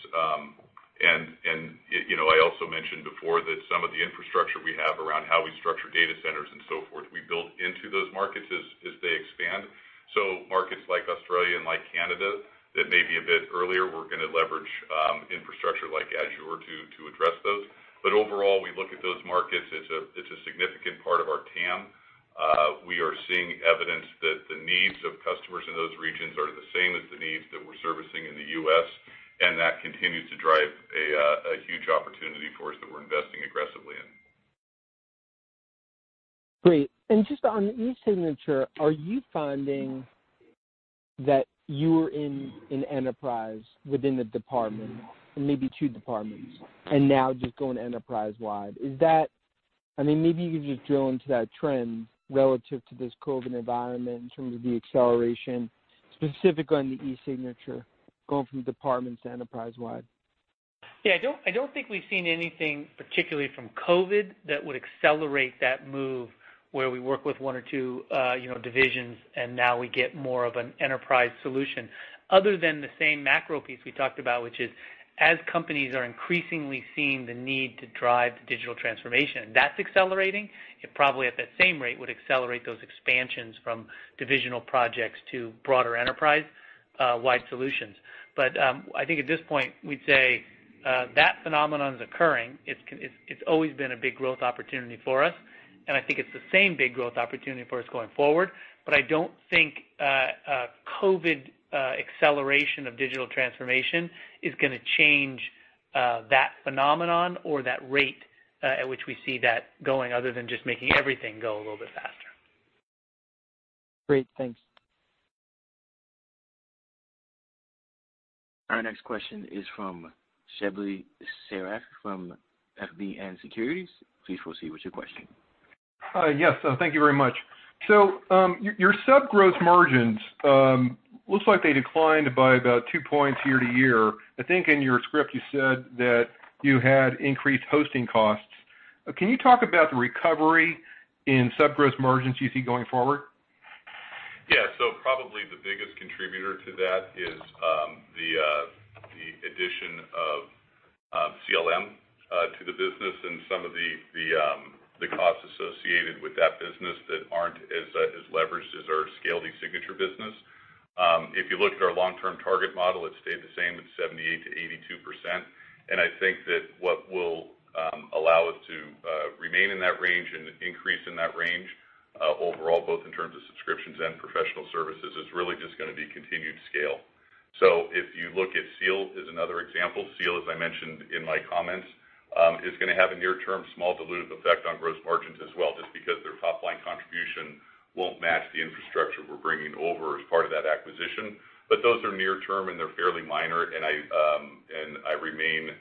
[SPEAKER 4] I also mentioned before that some of the infrastructure we have around how we structure data centers and so forth, we build into those markets as they expand. Markets like Australia and like Canada, that may be a bit earlier, we're going to leverage infrastructure like Azure to address those. Overall, we look at those markets, it's a significant part of our TAM. We are seeing evidence that the needs of customers in those regions are the same as the needs that we're servicing in the U.S., and that continues to drive a huge opportunity for us that we're investing aggressively in.
[SPEAKER 13] Great. Just on eSignature, are you finding that you're in an enterprise within the department, and maybe two departments, and now just going enterprise-wide? Maybe you could just drill into that trend relative to this COVID environment in terms of the acceleration, specifically on the eSignature, going from departments enterprise-wide.
[SPEAKER 3] Yeah. I don't think we've seen anything, particularly from COVID, that would accelerate that move where we work with one or two divisions, and now we get more of an enterprise solution, other than the same macro piece we talked about, which is as companies are increasingly seeing the need to drive digital transformation, and that's accelerating, it probably at that same rate would accelerate those expansions from divisional projects to broader enterprise-wide solutions. I think at this point, we'd say that phenomenon is occurring. It's always been a big growth opportunity for us, and I think it's the same big growth opportunity for us going forward. I don't think a COVID acceleration of digital transformation is going to change that phenomenon or that rate at which we see that going, other than just making everything go a little bit faster.
[SPEAKER 13] Great, thanks.
[SPEAKER 1] Our next question is from Shebly Seyrafi from FBN Securities. Please proceed with your question.
[SPEAKER 14] Yes. Thank you very much. Your sub-gross margins, looks like they declined by about two points year-to-year. I think in your script you said that you had increased hosting costs. Can you talk about the recovery in sub-gross margins you see going forward?
[SPEAKER 4] Probably the biggest contributor to that is the addition of CLM to the business and some of the costs associated with that business that aren't as leveraged as our scale eSignature business. If you look at our long-term target model, it stayed the same at 78%-82%. I think that what will allow us to remain in that range and increase in that range overall, both in terms of subscriptions and professional services, is really just going to be continued scale. If you look at Seal is another example. Seal, as I mentioned in my comments, is going to have a near-term small dilutive effect on gross margins as well, just because their top-line contribution won't match the infrastructure we're bringing over as part of that acquisition. Those are near-term, and they're fairly minor, and I remain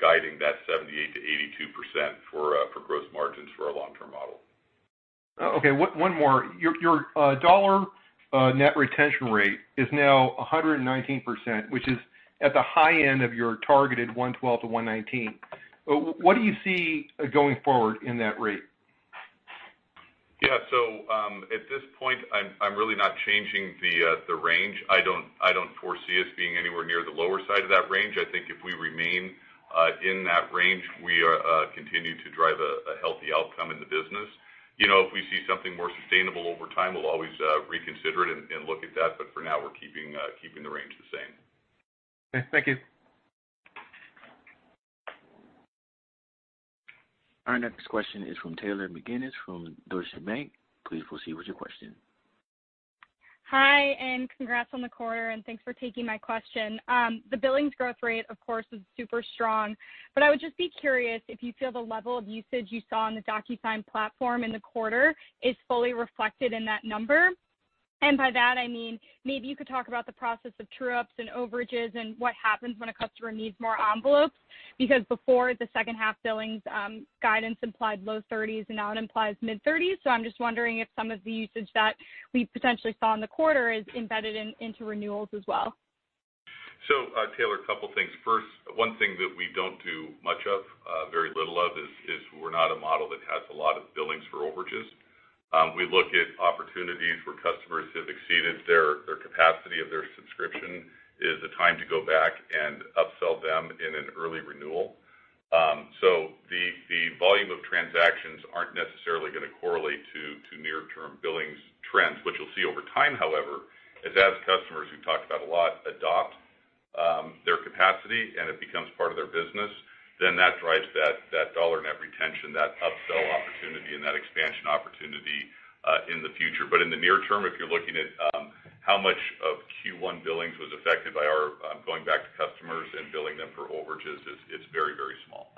[SPEAKER 4] guiding that 78%-82% for gross margins for our long-term model.
[SPEAKER 14] Okay. One more. Your dollar net retention rate is now 119%, which is at the high end of your targeted 112%-119%. What do you see going forward in that rate?
[SPEAKER 4] Yeah. At this point, I'm really not changing the range. I don't foresee us being anywhere near the lower side of that range. I think if we remain in that range, we continue to drive a healthy outcome in the business. If we see something more sustainable over time, we'll always reconsider it and look at that, but for now, we're keeping the range the same.
[SPEAKER 14] Okay. Thank you.
[SPEAKER 1] Our next question is from Taylor McGinnis from Deutsche Bank. Please proceed with your question.
[SPEAKER 15] Hi, congrats on the quarter, and thanks for taking my question. The billings growth rate, of course, was super strong, but I would just be curious if you feel the level of usage you saw on the DocuSign platform in the quarter is fully reflected in that number. By that I mean maybe you could talk about the process of true-ups and overages and what happens when a customer needs more envelopes. Before, the second half billings guidance implied low 30s, and now it implies mid-30s, so I'm just wondering if some of the usage that we potentially saw in the quarter is embedded into renewals as well.
[SPEAKER 4] Taylor, a couple things. First, one thing that we don't do much of, very little of, is we're not a model that has a lot of billings for overages. We look at opportunities where customers have exceeded their capacity of their subscription is the time to go back and upsell them in an early renewal. The volume of transactions aren't necessarily going to correlate to near-term billings trends. What you'll see over time, however, is as customers, we've talked about a lot, adopt their capacity and it becomes part of their business, then that drives that dollar net retention, that upsell opportunity, and that expansion opportunity in the future. In the near term, if you're looking at how much of Q1 billings was affected by our going back to customers and billing them for overages, it's very, very small.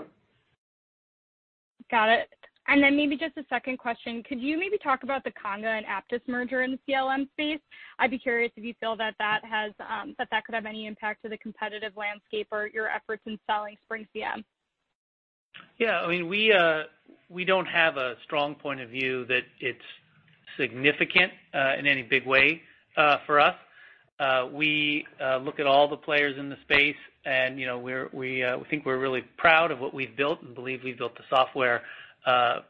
[SPEAKER 15] Got it. Maybe just a second question. Could you maybe talk about the Conga and Apttus merger in the CLM space? I'd be curious if you feel that could have any impact to the competitive landscape or your efforts in selling SpringCM.
[SPEAKER 3] We don't have a strong point of view that it's significant in any big way for us. We look at all the players in the space, we think we're really proud of what we've built and believe we've built the software,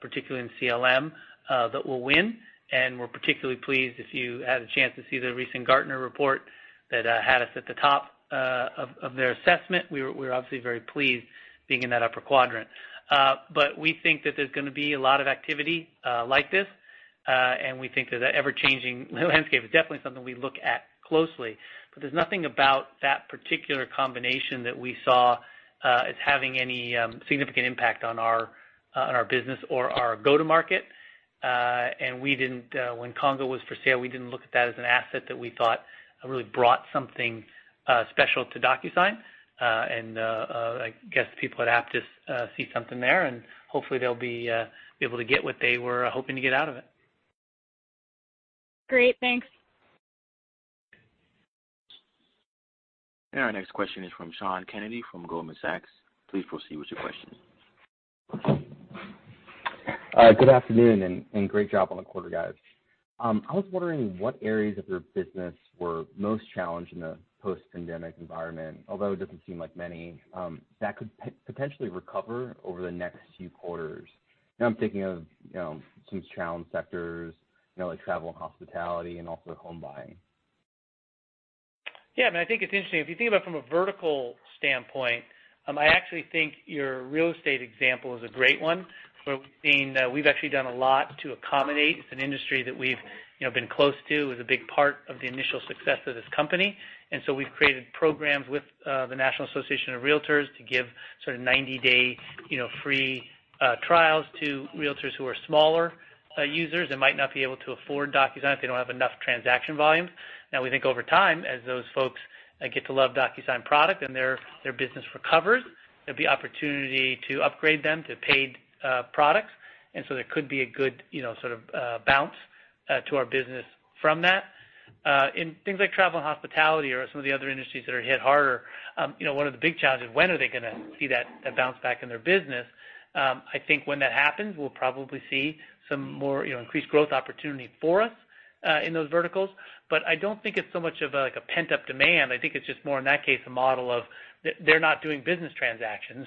[SPEAKER 3] particularly in CLM, that will win. We're particularly pleased, if you had a chance to see the recent Gartner report that had us at the top of their assessment. We're obviously very pleased being in that upper quadrant. We think that there's going to be a lot of activity like this. We think that the ever-changing landscape is definitely something we look at closely. There's nothing about that particular combination that we saw as having any significant impact on our business or our go-to-market. When Conga was for sale, we didn't look at that as an asset that we thought really brought something special to DocuSign. I guess the people at Apttus see something there, and hopefully they'll be able to get what they were hoping to get out of it.
[SPEAKER 15] Great. Thanks.
[SPEAKER 1] Our next question is from Sean Kennedy from Goldman Sachs. Please proceed with your question.
[SPEAKER 16] Good afternoon, and great job on the quarter, guys. I was wondering what areas of your business were most challenged in the post-pandemic environment, although it doesn't seem like many, that could potentially recover over the next few quarters. I'm thinking of some challenged sectors, like travel and hospitality and also home buying.
[SPEAKER 3] I think it's interesting. If you think about it from a vertical standpoint, I actually think your real estate example is a great one, where we've actually done a lot to accommodate. It's an industry that we've been close to. It was a big part of the initial success of this company. We've created programs with the National Association of Realtors to give 90-day free trials to realtors who are smaller users and might not be able to afford DocuSign if they don't have enough transaction volume. We think over time, as those folks get to love DocuSign product and their business recovers, there'd be opportunity to upgrade them to paid products. There could be a good bounce to our business from that. In things like travel and hospitality or some of the other industries that are hit harder, one of the big challenges is when are they gonna see that bounce back in their business? I think when that happens, we'll probably see some more increased growth opportunity for us in those verticals. I don't think it's so much of a pent-up demand. I think it's just more, in that case, a model of they're not doing business transactions.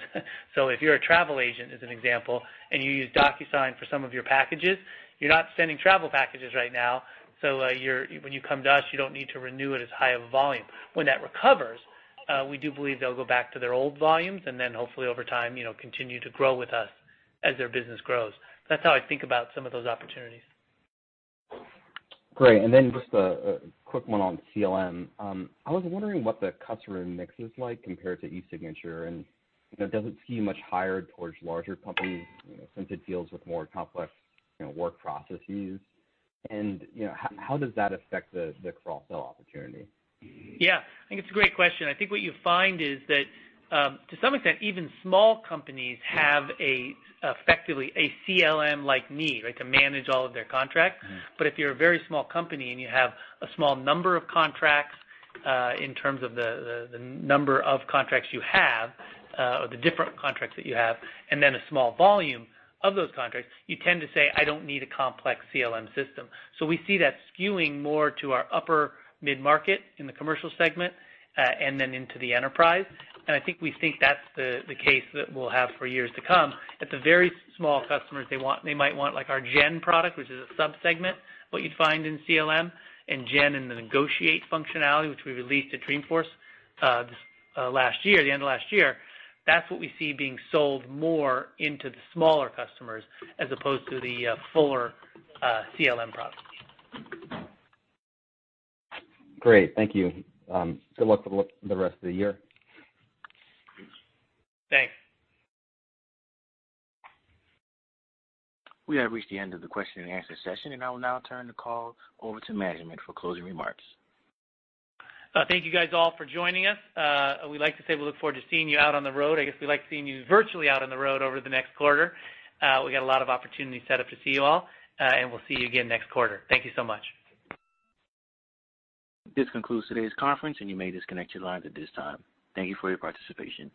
[SPEAKER 3] If you're a travel agent, as an example, and you use DocuSign for some of your packages, you're not sending travel packages right now, so when you come to us, you don't need to renew it as high of a volume. When that recovers, we do believe they'll go back to their old volumes, and then hopefully over time, continue to grow with us as their business grows. That's how I think about some of those opportunities.
[SPEAKER 16] Great. Then just a quick one on CLM. I was wondering what the customer mix is like compared to eSignature, and does it skew much higher towards larger companies since it deals with more complex work processes? How does that affect the cross-sell opportunity?
[SPEAKER 3] I think it's a great question. I think what you find is that to some extent, even small companies have effectively a CLM-like need to manage all of their contracts. If you're a very small company and you have a small number of contracts in terms of the number of contracts you have, or the different contracts that you have, and then a small volume of those contracts, you tend to say, "I don't need a complex CLM system." We see that skewing more to our upper mid-market in the commercial segment and then into the enterprise. I think we think that's the case that we'll have for years to come. At the very small customers, they might want our Gen product, which is a sub-segment, what you'd find in CLM, and Gen in the Negotiate functionality, which we released at Dreamforce the end of last year. That's what we see being sold more into the smaller customers as opposed to the fuller CLM products.
[SPEAKER 16] Great. Thank you. Good luck for the rest of the year.
[SPEAKER 3] Thanks.
[SPEAKER 1] We have reached the end of the question-and-answer session, and I will now turn the call over to management for closing remarks.
[SPEAKER 3] Thank you guys all for joining us. We'd like to say we look forward to seeing you out on the road. I guess we look forward to seeing you virtually out on the road over the next quarter. We got a lot of opportunities set up to see you all, and we'll see you again next quarter. Thank you so much.
[SPEAKER 1] This concludes today's conference, and you may disconnect your lines at this time. Thank you for your participation.